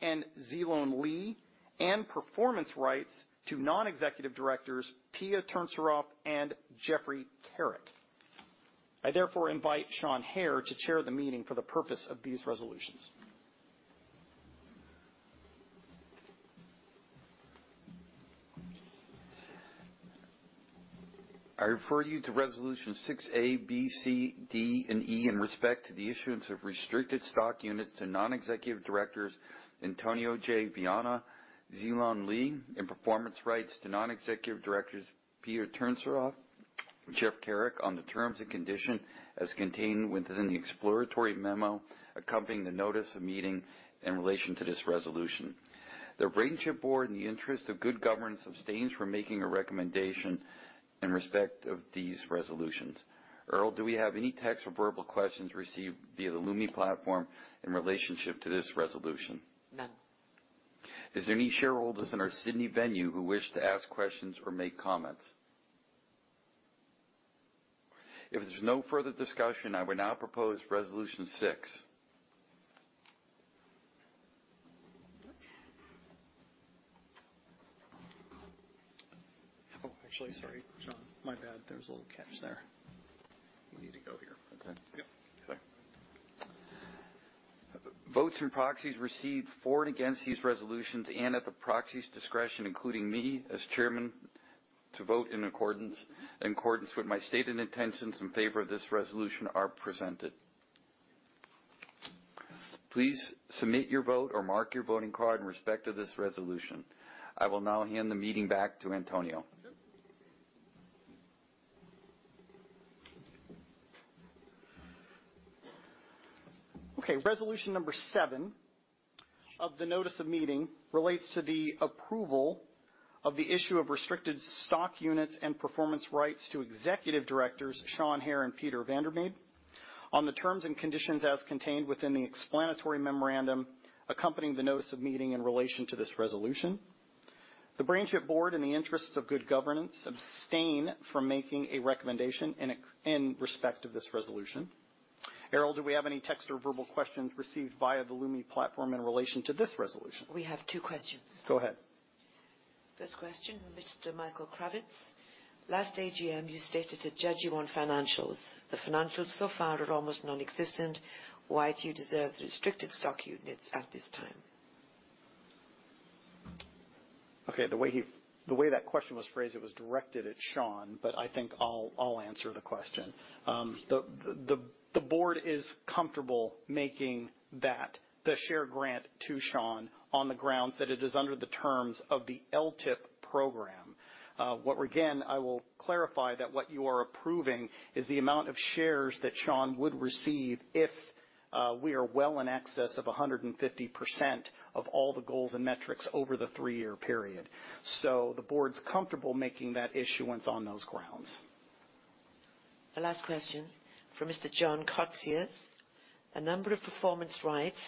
Speaker 2: and Duy-Loan Le and performance rights to non-executive directors Pia Turcinov and Geoffrey Carrick. I therefore invite Sean Hehir to chair the meeting for the purpose of these resolutions.
Speaker 3: I refer you to resolution 6 A, B, C, D, and E in respect to the issuance of restricted stock units to non-executive directors, Antonio J. Viana, Duy-Loan Le, and performance rights to non-executive directors, Peter Turnstorf, Geoff Carrick on the terms and condition as contained within the exploratory memo accompanying the notice of meeting in relation to this resolution. The BrainChip board, in the interest of good governance, abstains from making a recommendation in respect of these resolutions. Carol, do we have any text or verbal questions received via the Lumi platform in relationship to this resolution?
Speaker 4: None.
Speaker 3: Is there any shareholders in our Sydney venue who wish to ask questions or make comments? If there's no further discussion, I would now propose resolution 6.
Speaker 2: Oh, actually, sorry, John. My bad. There's a little catch there. We need to go here.
Speaker 3: Okay.
Speaker 2: Yep. Sorry.
Speaker 3: Votes and proxies received for and against these resolutions and at the proxy's discretion, including me as chairman, to vote in accordance with my stated intentions in favor of this resolution are presented. Please submit your vote or mark your voting card in respect to this resolution. I will now hand the meeting back to Antonio.
Speaker 2: Okay. Resolution number 7 of the notice of meeting relates to the approval of the issue of restricted stock units and performance rights to executive directors, Sean Hehir and Peter Van Der Made, on the terms and conditions as contained within the explanatory memorandum accompanying the notice of meeting in relation to this resolution. The BrainChip board, in the interests of good governance, abstain from making a recommendation in respect of this resolution. Carol, do we have any text or verbal questions received via the Lumi platform in relation to this resolution?
Speaker 4: We have two questions.
Speaker 2: Go ahead.
Speaker 4: First question, Mr. Michael Kravitz. Last AGM, you stated to judge you on financials. The financials so far are almost nonexistent. Why do you deserve the restricted stock units at this time?
Speaker 2: Okay. The way that question was phrased, it was directed at Sean, but I think I'll answer the question. The board is comfortable making the share grant to Sean on the grounds that it is under the terms of the LTIP program. Again, I will clarify that what you are approving is the amount of shares that Sean would receive if we are well in excess of 150% of all the goals and metrics over the three year period. The board's comfortable making that issuance on those grounds.
Speaker 4: The last question from Mr. John Kotsias. A number of performance rights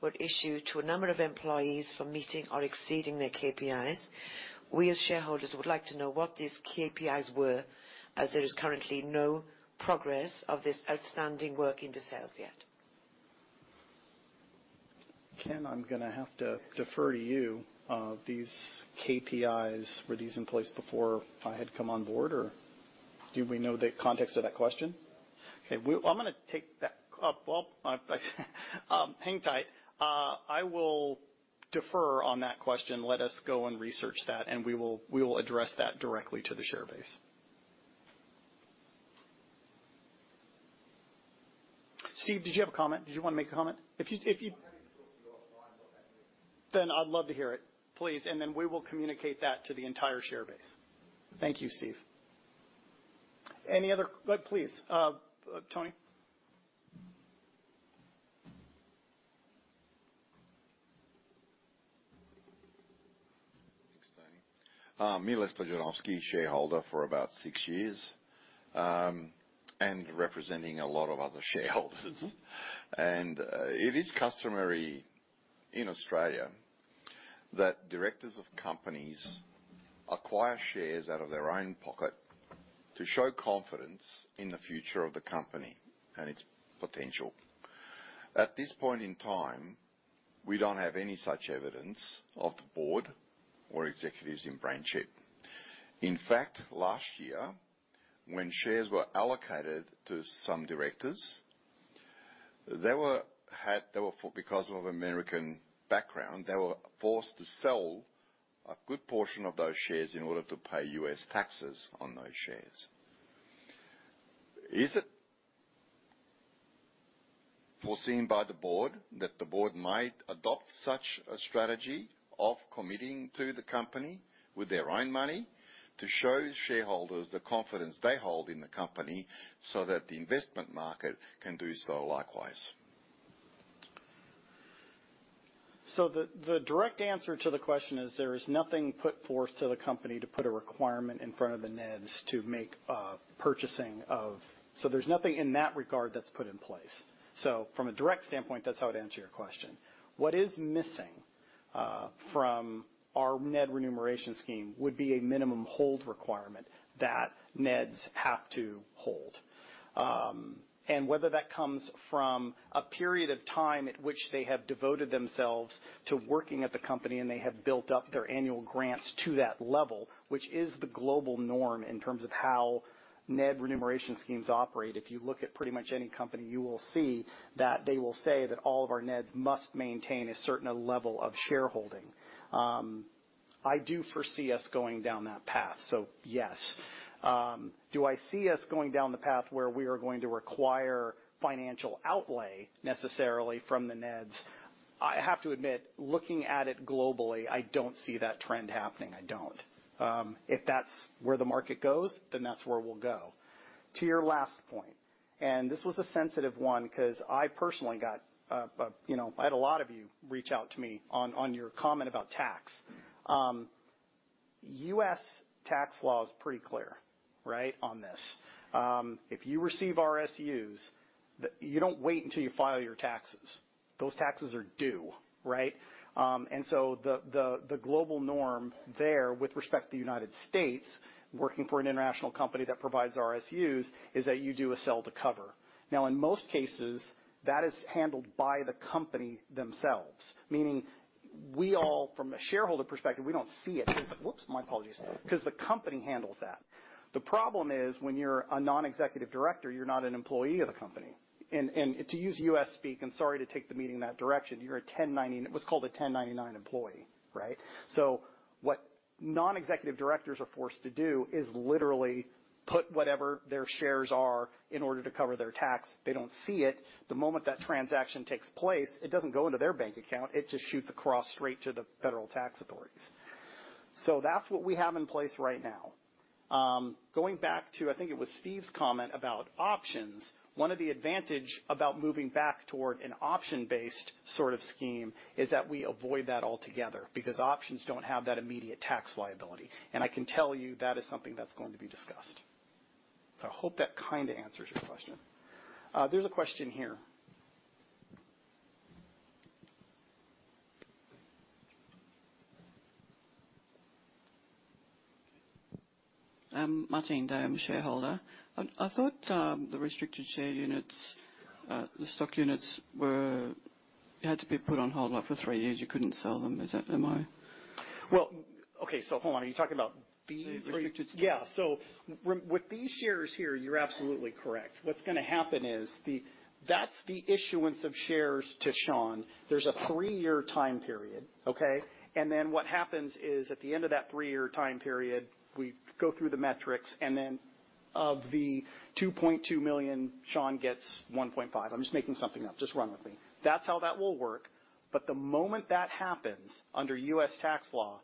Speaker 4: were issued to a number of employees for meeting or exceeding their KPIs. We, as shareholders, would like to know what these KPIs were as there is currently no progress of this outstanding work in the sales yet.
Speaker 2: Ken, I'm gonna have to defer to you. These KPIs, were these in place before I had come on board, or do we know the context of that question?
Speaker 5: Okay. I'm gonna take that. Well, hang tight. I will defer on that question. Let us go and research that, and we will address that directly to the share base. Steve, did you have a comment? Did you wanna make a comment? If you.
Speaker 12: I'm happy to talk to you offline about that, please.
Speaker 2: I'd love to hear it, please, and then we will communicate that to the entire share base. Thank you, Steve. Please, Tony.
Speaker 13: Thanks, Tony. Me, Lester Janowski, shareholder for about six years, and representing a lot of other shareholders. It is customary in Australia that directors of companies acquire shares out of their own pocket to show confidence in the future of the company and its potential. At this point in time, we don't have any such evidence of the board or executives in BrainChip. In fact, last year, when shares were allocated to some directors, because of American background, they were forced to sell a good portion of those shares in order to pay U.S. taxes on those shares. Is it foreseen by the board that the board might adopt such a strategy of committing to the company with their own money to show shareholders the confidence they hold in the company so that the investment market can do so likewise?
Speaker 2: The direct answer to the question is there is nothing put forth to the company to put a requirement in front of the NEDs to make a purchasing of. There's nothing in that regard that's put in place. From a direct standpoint, that's how I'd answer your question. What is missing from our NED remuneration scheme would be a minimum hold requirement that NEDs have to hold. Whether that comes from a period of time at which they have devoted themselves to working at the company, and they have built up their annual grants to that level, which is the global norm in terms of how NED remuneration schemes operate. If you look at pretty much any company, you will see that they will say that all of our NEDs must maintain a certain level of shareholding. I do foresee us going down that path. Yes. Do I see us going down the path where we are going to require financial outlay necessarily from the NEDs? I have to admit, looking at it globally, I don't see that trend happening. I don't. If that's where the market goes, then that's where we'll go. To your last point, this was a sensitive one because I personally got, you know, I had a lot of you reach out to me on your comment about tax. U.S. tax law is pretty clear, right, on this. If you receive RSUs, you don't wait until you file your taxes. Those taxes are due, right? The global norm there with respect to United States, working for an international company that provides RSUs, is that you do a sell to cover. In most cases, that is handled by the company themselves. Meaning we all, from a shareholder perspective, we don't see it. My apologies. The company handles that. The problem is, when you're a non-executive director, you're not an employee of the company. And to use U.S. speak, and sorry to take the meeting in that direction, you're what's called a 1099 employee, right? What non-executive directors are forced to do is literally put whatever their shares are in order to cover their tax. They don't see it. The moment that transaction takes place, it doesn't go into their bank account. It just shoots across straight to the federal tax authorities. That's what we have in place right now. Going back to, I think it was Steve's comment about options. One of the advantage about moving back toward an option-based sort of scheme is that we avoid that altogether because options don't have that immediate tax liability. I can tell you that is something that's going to be discussed. I hope that kinda answers your question. There's a question here.
Speaker 14: Martine Day. I'm a shareholder. I thought, the restricted share units, the stock units were, had to be put on hold, like for three years, you couldn't sell them. Is that, am I?
Speaker 2: Okay. Hold on. Are you talking about?
Speaker 14: The restricted.
Speaker 2: Yeah. With these shares here, you're absolutely correct. What's going to happen is that's the issuance of shares to Sean. There's a three year time period, okay? What happens is, at the end of that three-year time period, we go through the metrics, and then of the $2.2 million, Sean gets $1.5 million. I'm just making something up. Just run with me. That's how that will work. The moment that happens, under U.S. tax law,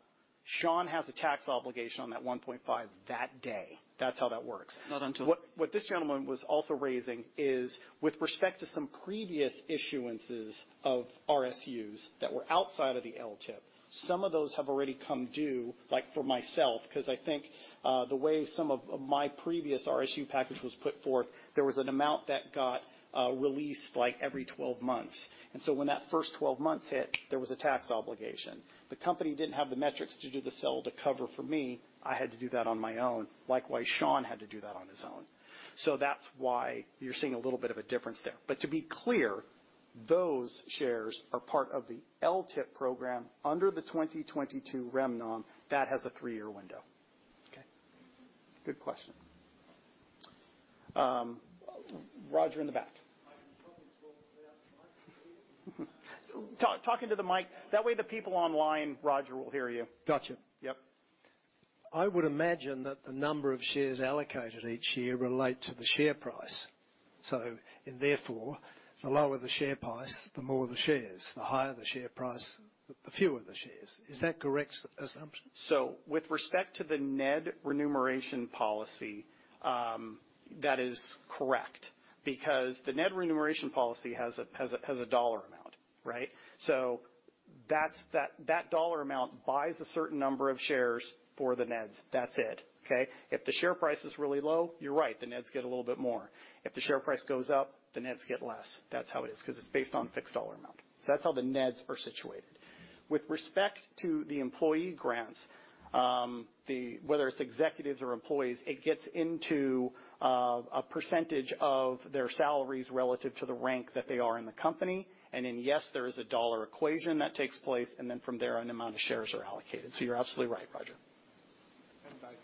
Speaker 2: Sean has a tax obligation on that $1.5 million that day. That's how that works.
Speaker 14: Not until.
Speaker 2: What this gentleman was also raising is with respect to some previous issuances of RSUs that were outside of the LTIP. Some of those have already come due, like for myself, 'cause I think the way some of my previous RSU package was put forth, there was an amount that got released like every 12 months. When that first 12 months hit, there was a tax obligation. The company didn't have the metrics to do the sell to cover for me. I had to do that on my own. Likewise, Sean had to do that on his own. That's why you're seeing a little bit of a difference there. To be clear, those shares are part of the LTIP program under the 2022 REM nom that has a three year window. Okay. Good question. Roger in the back. Talk into the mic. That way the people online, Roger, will hear you.
Speaker 8: Gotcha.
Speaker 2: Yep.
Speaker 8: I would imagine that the number of shares allocated each year relate to the share price. Therefore, the lower the share price, the more the shares. The higher the share price, the fewer the shares. Is that correct assumption?
Speaker 2: With respect to the NED remuneration policy, that is correct, because the NED remuneration policy has a dollar amount, right? That dollar amount buys a certain number of shares for the NEDs. That's it, okay? If the share price is really low, you're right, the NEDs get a little bit more. If the share price goes up, the NEDs get less. That's how it is, 'cause it's based on fixed dollar amount. That's how the NEDs are situated. With respect to the employee grants, whether it's executives or employees, it gets into a percentage of their salaries relative to the rank that they are in the company. Yes, there is a dollar equation that takes place, and then from there, an amount of shares are allocated. You're absolutely right, Roger.
Speaker 8: By performance.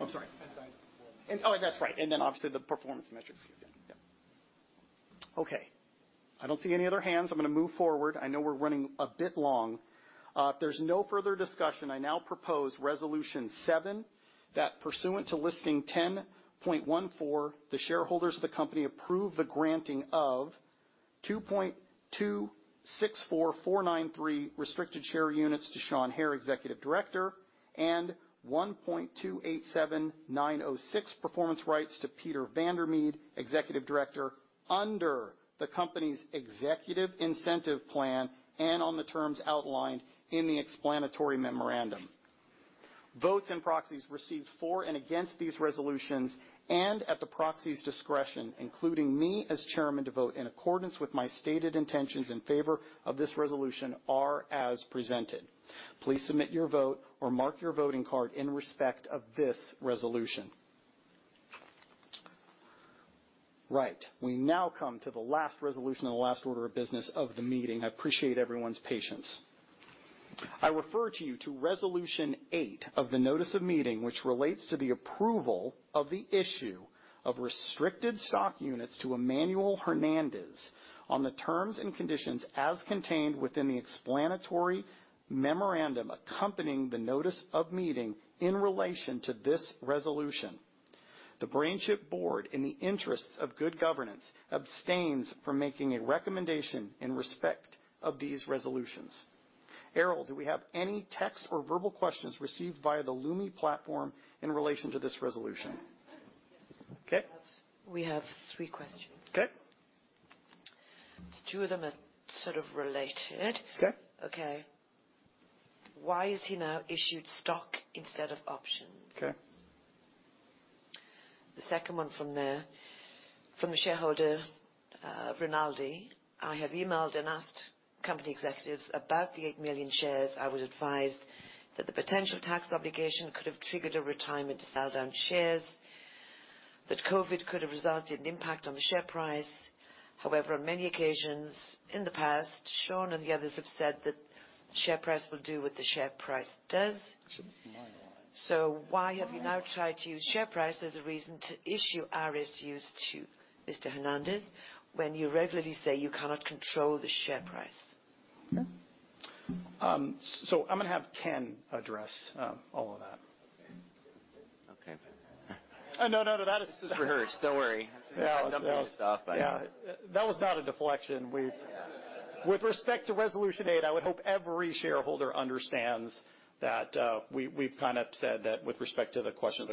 Speaker 2: I'm sorry?
Speaker 8: By performance.
Speaker 2: Oh, that's right. Then obviously the performance metrics again. Yep. Okay. I don't see any other hands. I'm gonna move forward. I know we're running a bit long. If there's no further discussion, I now propose Resolution seven, that pursuant to Listing Rule 10.14, the shareholders of the company approve the granting of 2.264493 restricted share units to Sean Hehir, Executive Director, and 1.287906 performance rights to Peter Van Der Made, Executive Director, under the company's executive incentive plan and on the terms outlined in the explanatory memorandum. Votes and proxies received for and against these resolutions, and at the proxy's discretion, including me as Chairman to vote in accordance with my stated intentions in favor of this resolution, are as presented. Please submit your vote or mark your voting card in respect of this resolution. We now come to the last resolution and the last order of business of the meeting. I appreciate everyone's patience. I refer to you to resolution 8 of the notice of meeting, which relates to the approval of the issue of restricted stock units to Emmanuel Hernandez on the terms and conditions as contained within the explanatory memorandum accompanying the notice of meeting in relation to this resolution. The BrainChip board, in the interests of good governance, abstains from making a recommendation in respect of these resolutions. Carol, do we have any text or verbal questions received via the Lumi platform in relation to this resolution?
Speaker 4: Yes.
Speaker 2: Okay.
Speaker 4: We have three questions.
Speaker 2: Okay.
Speaker 4: Two of them are sort of related.
Speaker 2: Okay.
Speaker 4: Okay. Why is he now issued stock instead of option?
Speaker 2: Okay.
Speaker 4: The second one from the shareholder, Rinaldi. I have emailed and asked company executives about the 8 million shares. I was advised that the potential tax obligation could have triggered a retirement to sell down shares, that COVID could have resulted in impact on the share price. On many occasions in the past, Sean and the others have said that share price will do what the share price does.
Speaker 2: Shouldn't minimize.
Speaker 4: Why have you now tried to use share price as a reason to issue RSUs to Mr. Hernandez when you regularly say you cannot control the share price?
Speaker 2: Okay. I'm gonna have Ken address all of that.
Speaker 4: Okay.
Speaker 2: No, no. That is.
Speaker 5: This is rehearsed. Don't worry.
Speaker 2: Yeah.
Speaker 5: A number of stuff.
Speaker 2: Yeah. That was not a deflection. With respect to Resolution 8, I would hope every shareholder understands that, we've kind of said that with respect to the question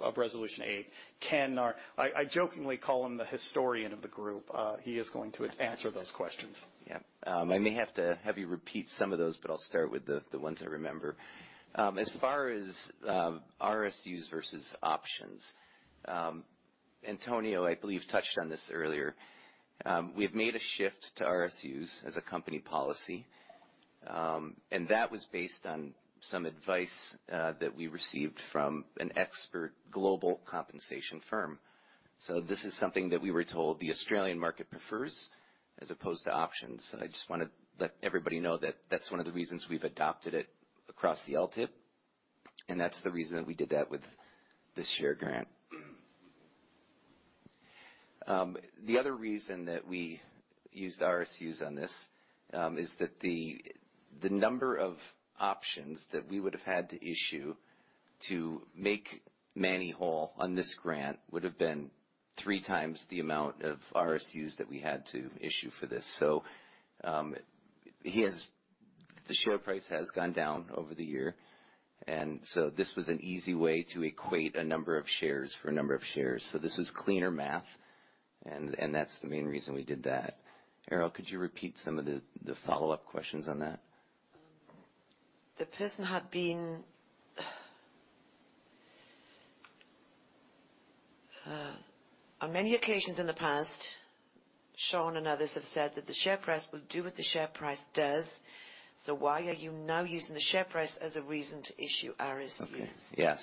Speaker 2: of Resolution 8. Ken, or I jokingly call him the historian of the group. He is going to answer those questions.
Speaker 5: Yeah. I may have to have you repeat some of those, but I'll start with the ones I remember. As far as RSUs versus options, Antonio, I believe, touched on this earlier. We've made a shift to RSUs as a company policy, and that was based on some advice that we received from an expert global compensation firm. This is something that we were told the Australian market prefers as opposed to options. I just wanna let everybody know that that's one of the reasons we've adopted it across the LTIP, and that's the reason that we did that with this share grant. The other reason that we used RSUs on this is that the number of options that we would have had to issue to make Manny whole on this grant would have been 3x the amount of RSUs that we had to issue for this. The share price has gone down over the year, this was an easy way to equate a number of shares for a number of shares. This is cleaner math and that's the main reason we did that. Carol, could you repeat some of the follow-up questions on that?
Speaker 4: On many occasions in the past, Sean and others have said that the share price will do what the share price does, so why are you now using the share price as a reason to issue RSUs?
Speaker 5: Okay. Yeah.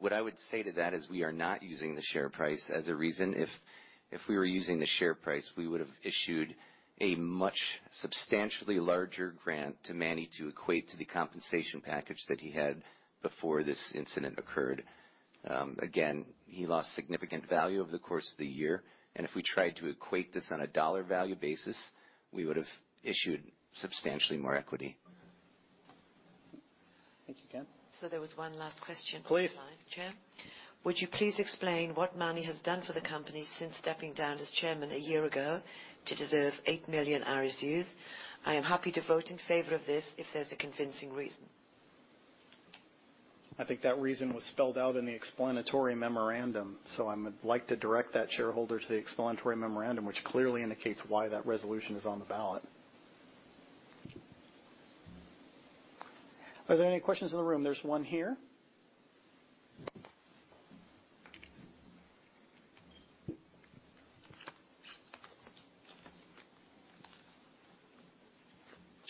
Speaker 5: What I would say to that is we are not using the share price as a reason. If we were using the share price, we would have issued a much substantially larger grant to Manny to equate to the compensation package that he had before this incident occurred. Again, he lost significant value over the course of the year, and if we tried to equate this on a dollar value basis, we would've issued substantially more equity.
Speaker 2: Thank you, Ken.
Speaker 4: There was one last question?
Speaker 2: Please.
Speaker 4: Online, Chair. Would you please explain what Manny has done for the company since stepping down as chairman a year ago to deserve 8 million RSUs? I am happy to vote in favor of this if there's a convincing reason.
Speaker 2: I think that reason was spelled out in the explanatory memorandum. I like to direct that shareholder to the explanatory memorandum, which clearly indicates why that resolution is on the ballot. Are there any questions in the room? There's one here.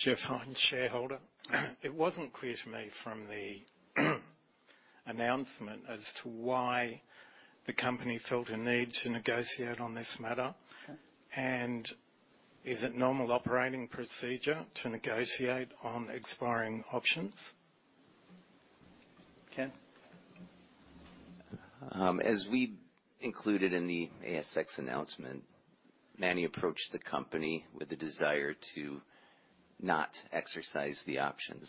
Speaker 8: It wasn't clear to me from the announcement as to why the company felt a need to negotiate on this matter.
Speaker 2: Okay.
Speaker 8: Is it normal operating procedure to negotiate on expiring options?
Speaker 2: Ken.
Speaker 5: As we included in the ASX announcement, Manny approached the company with the desire to not exercise the options,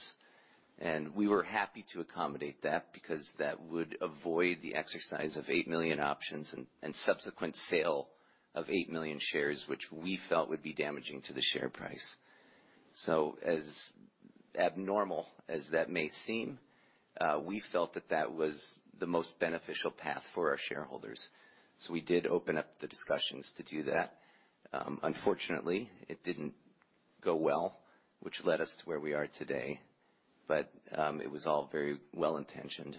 Speaker 5: and we were happy to accommodate that because that would avoid the exercise of 8 million options and subsequent sale of 8 million shares, which we felt would be damaging to the share price. As abnormal as that may seem, we felt that that was the most beneficial path for our shareholders. We did open up the discussions to do that. Unfortunately, it didn't go well, which led us to where we are today. It was all very well-intentioned.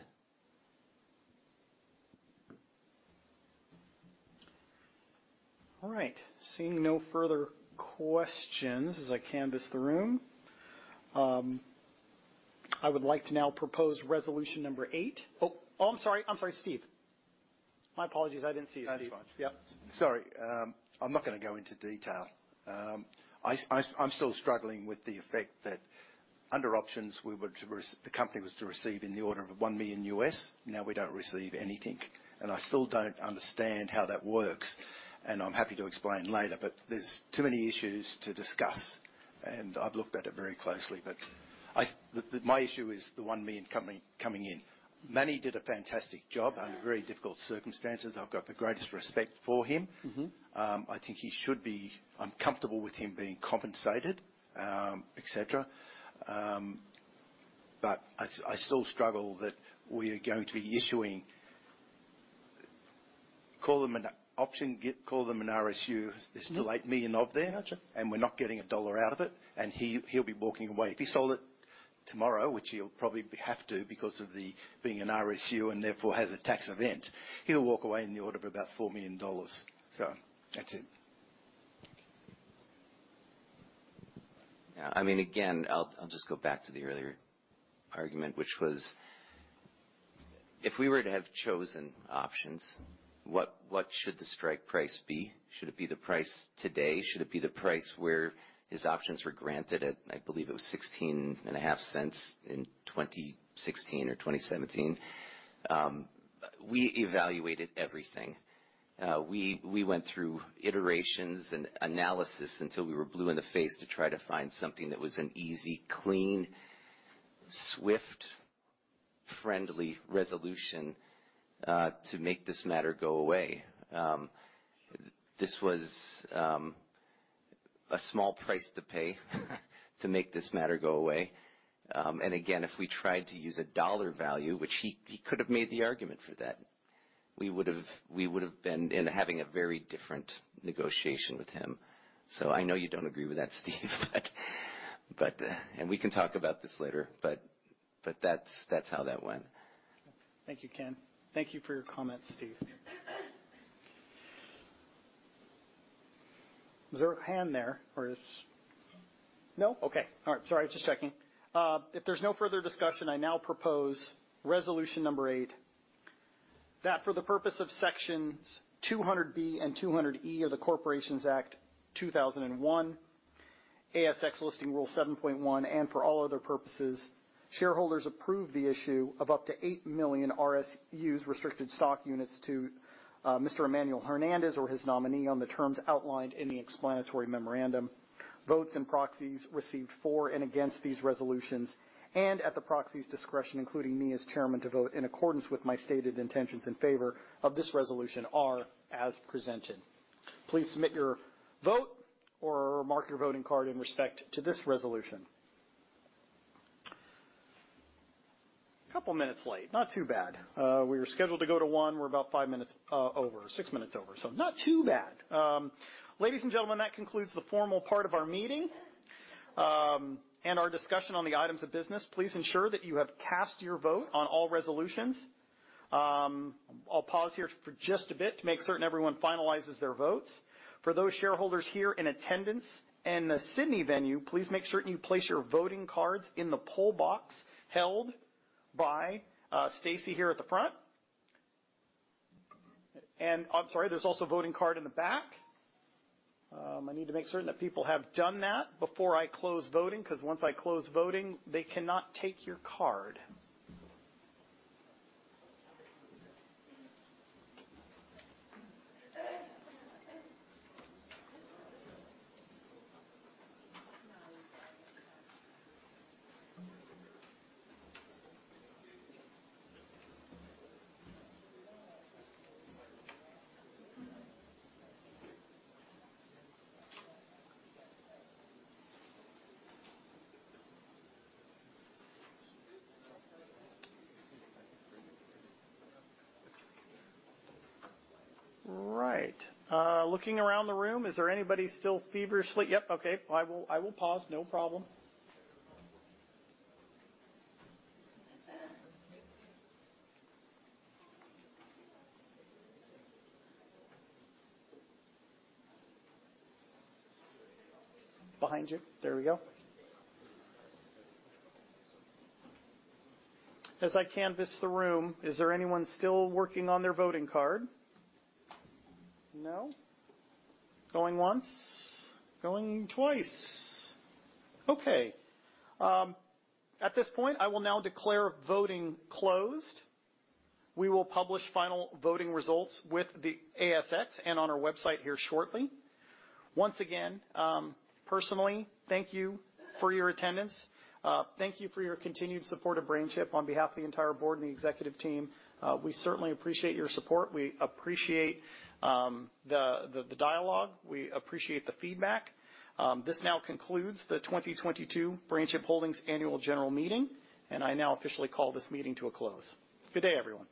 Speaker 2: All right. Seeing no further questions as I canvass the room, I would like to now propose resolution number 8. Oh, I'm sorry, Steve. My apologies. I didn't see you, Steve.
Speaker 12: That's fine.
Speaker 2: Yep.
Speaker 12: Sorry, I'm not gonna go into detail. I'm still struggling with the effect that under options the company was to receive in the order of $1 million. Now we don't receive anything, and I still don't understand how that works. I'm happy to explain later, but there's too many issues to discuss, and I've looked at it very closely. My issue is the $1 million coming in. Manny did a fantastic job under very difficult circumstances. I've got the greatest respect for him. I'm comfortable with him being compensated, et cetera. I still struggle that we are going to be issuing, call them an option, call them an RSU. There's still $8 million of there.
Speaker 2: Gotcha.
Speaker 12: We're not getting $1 out of it, he'll be walking away. If he sold it tomorrow, which he'll probably have to because of the being an RSU and therefore has a tax event, he'll walk away in the order of about $4 million. That's it.
Speaker 5: Yeah, I mean, again, I'll just go back to the earlier argument, which was, if we were to have chosen options, what should the strike price be? Should it be the price today? Should it be the price where his options were granted at, I believe it was 0.165 in 2016 or 2017? We evaluated everything. We went through iterations and analysis until we were blue in the face to try to find something that was an easy, clean, swift, friendly resolution to make this matter go away. This was a small price to pay to make this matter go away. Again, if we tried to use a dollar value, which he could have made the argument for that, we would've been in having a very different negotiation with him. I know you don't agree with that, Steve, but, and we can talk about this later, but that's how that went.
Speaker 2: Thank you, Ken. Thank you for your comments, Steve. Is there a hand there or is. No? Okay. All right. Sorry, just checking. If there's no further discussion, I now propose resolution number 8, that for the purpose of sections 200B and 200E of the Corporations Act 2001 ASX Listing Rule 7.1, and for all other purposes, shareholders approve the issue of up to 8 million RSUs, restricted stock units, to Mr. Emmanuel Hernandez or his nominee on the terms outlined in the explanatory memorandum. Votes and proxies received for and against these resolutions, and at the proxy's discretion, including me as Chairman, to vote in accordance with my stated intentions in favor of this resolution, are as presented. Please submit your vote or mark your voting card in respect to this resolution. Couple minutes late. Not too bad. We were scheduled to go to one, we're about five minutes over. six minutes over. Not too bad. Ladies and gentlemen, that concludes the formal part of our meeting and our discussion on the items of business. Please ensure that you have cast your vote on all resolutions. I'll pause here for just a bit to make certain everyone finalizes their votes. For those shareholders here in attendance in the Sydney venue, please make certain you place your voting cards in the poll box held by Stacy here at the front. I'm sorry, there's also a voting card in the back. I need to make certain that people have done that before I close voting, 'cause once I close voting, they cannot take your card. Looking around the room, is there anybody still feverishly. Yep. Okay. I will pause. No problem. Behind you. There we go. As I canvas the room, is there anyone still working on their voting card? No? Going once, going twice. Okay. At this point, I will now declare voting closed. We will publish final voting results with the ASX and on our website here shortly. Once again, personally, thank you for your attendance. Thank you for your continued support of BrainChip on behalf of the entire board and the executive team. We certainly appreciate your support. We appreciate the dialogue. We appreciate the feedback. This now concludes the 2022 BrainChip Holdings Annual General Meeting, and I now officially call this meeting to a close. Good day, everyone.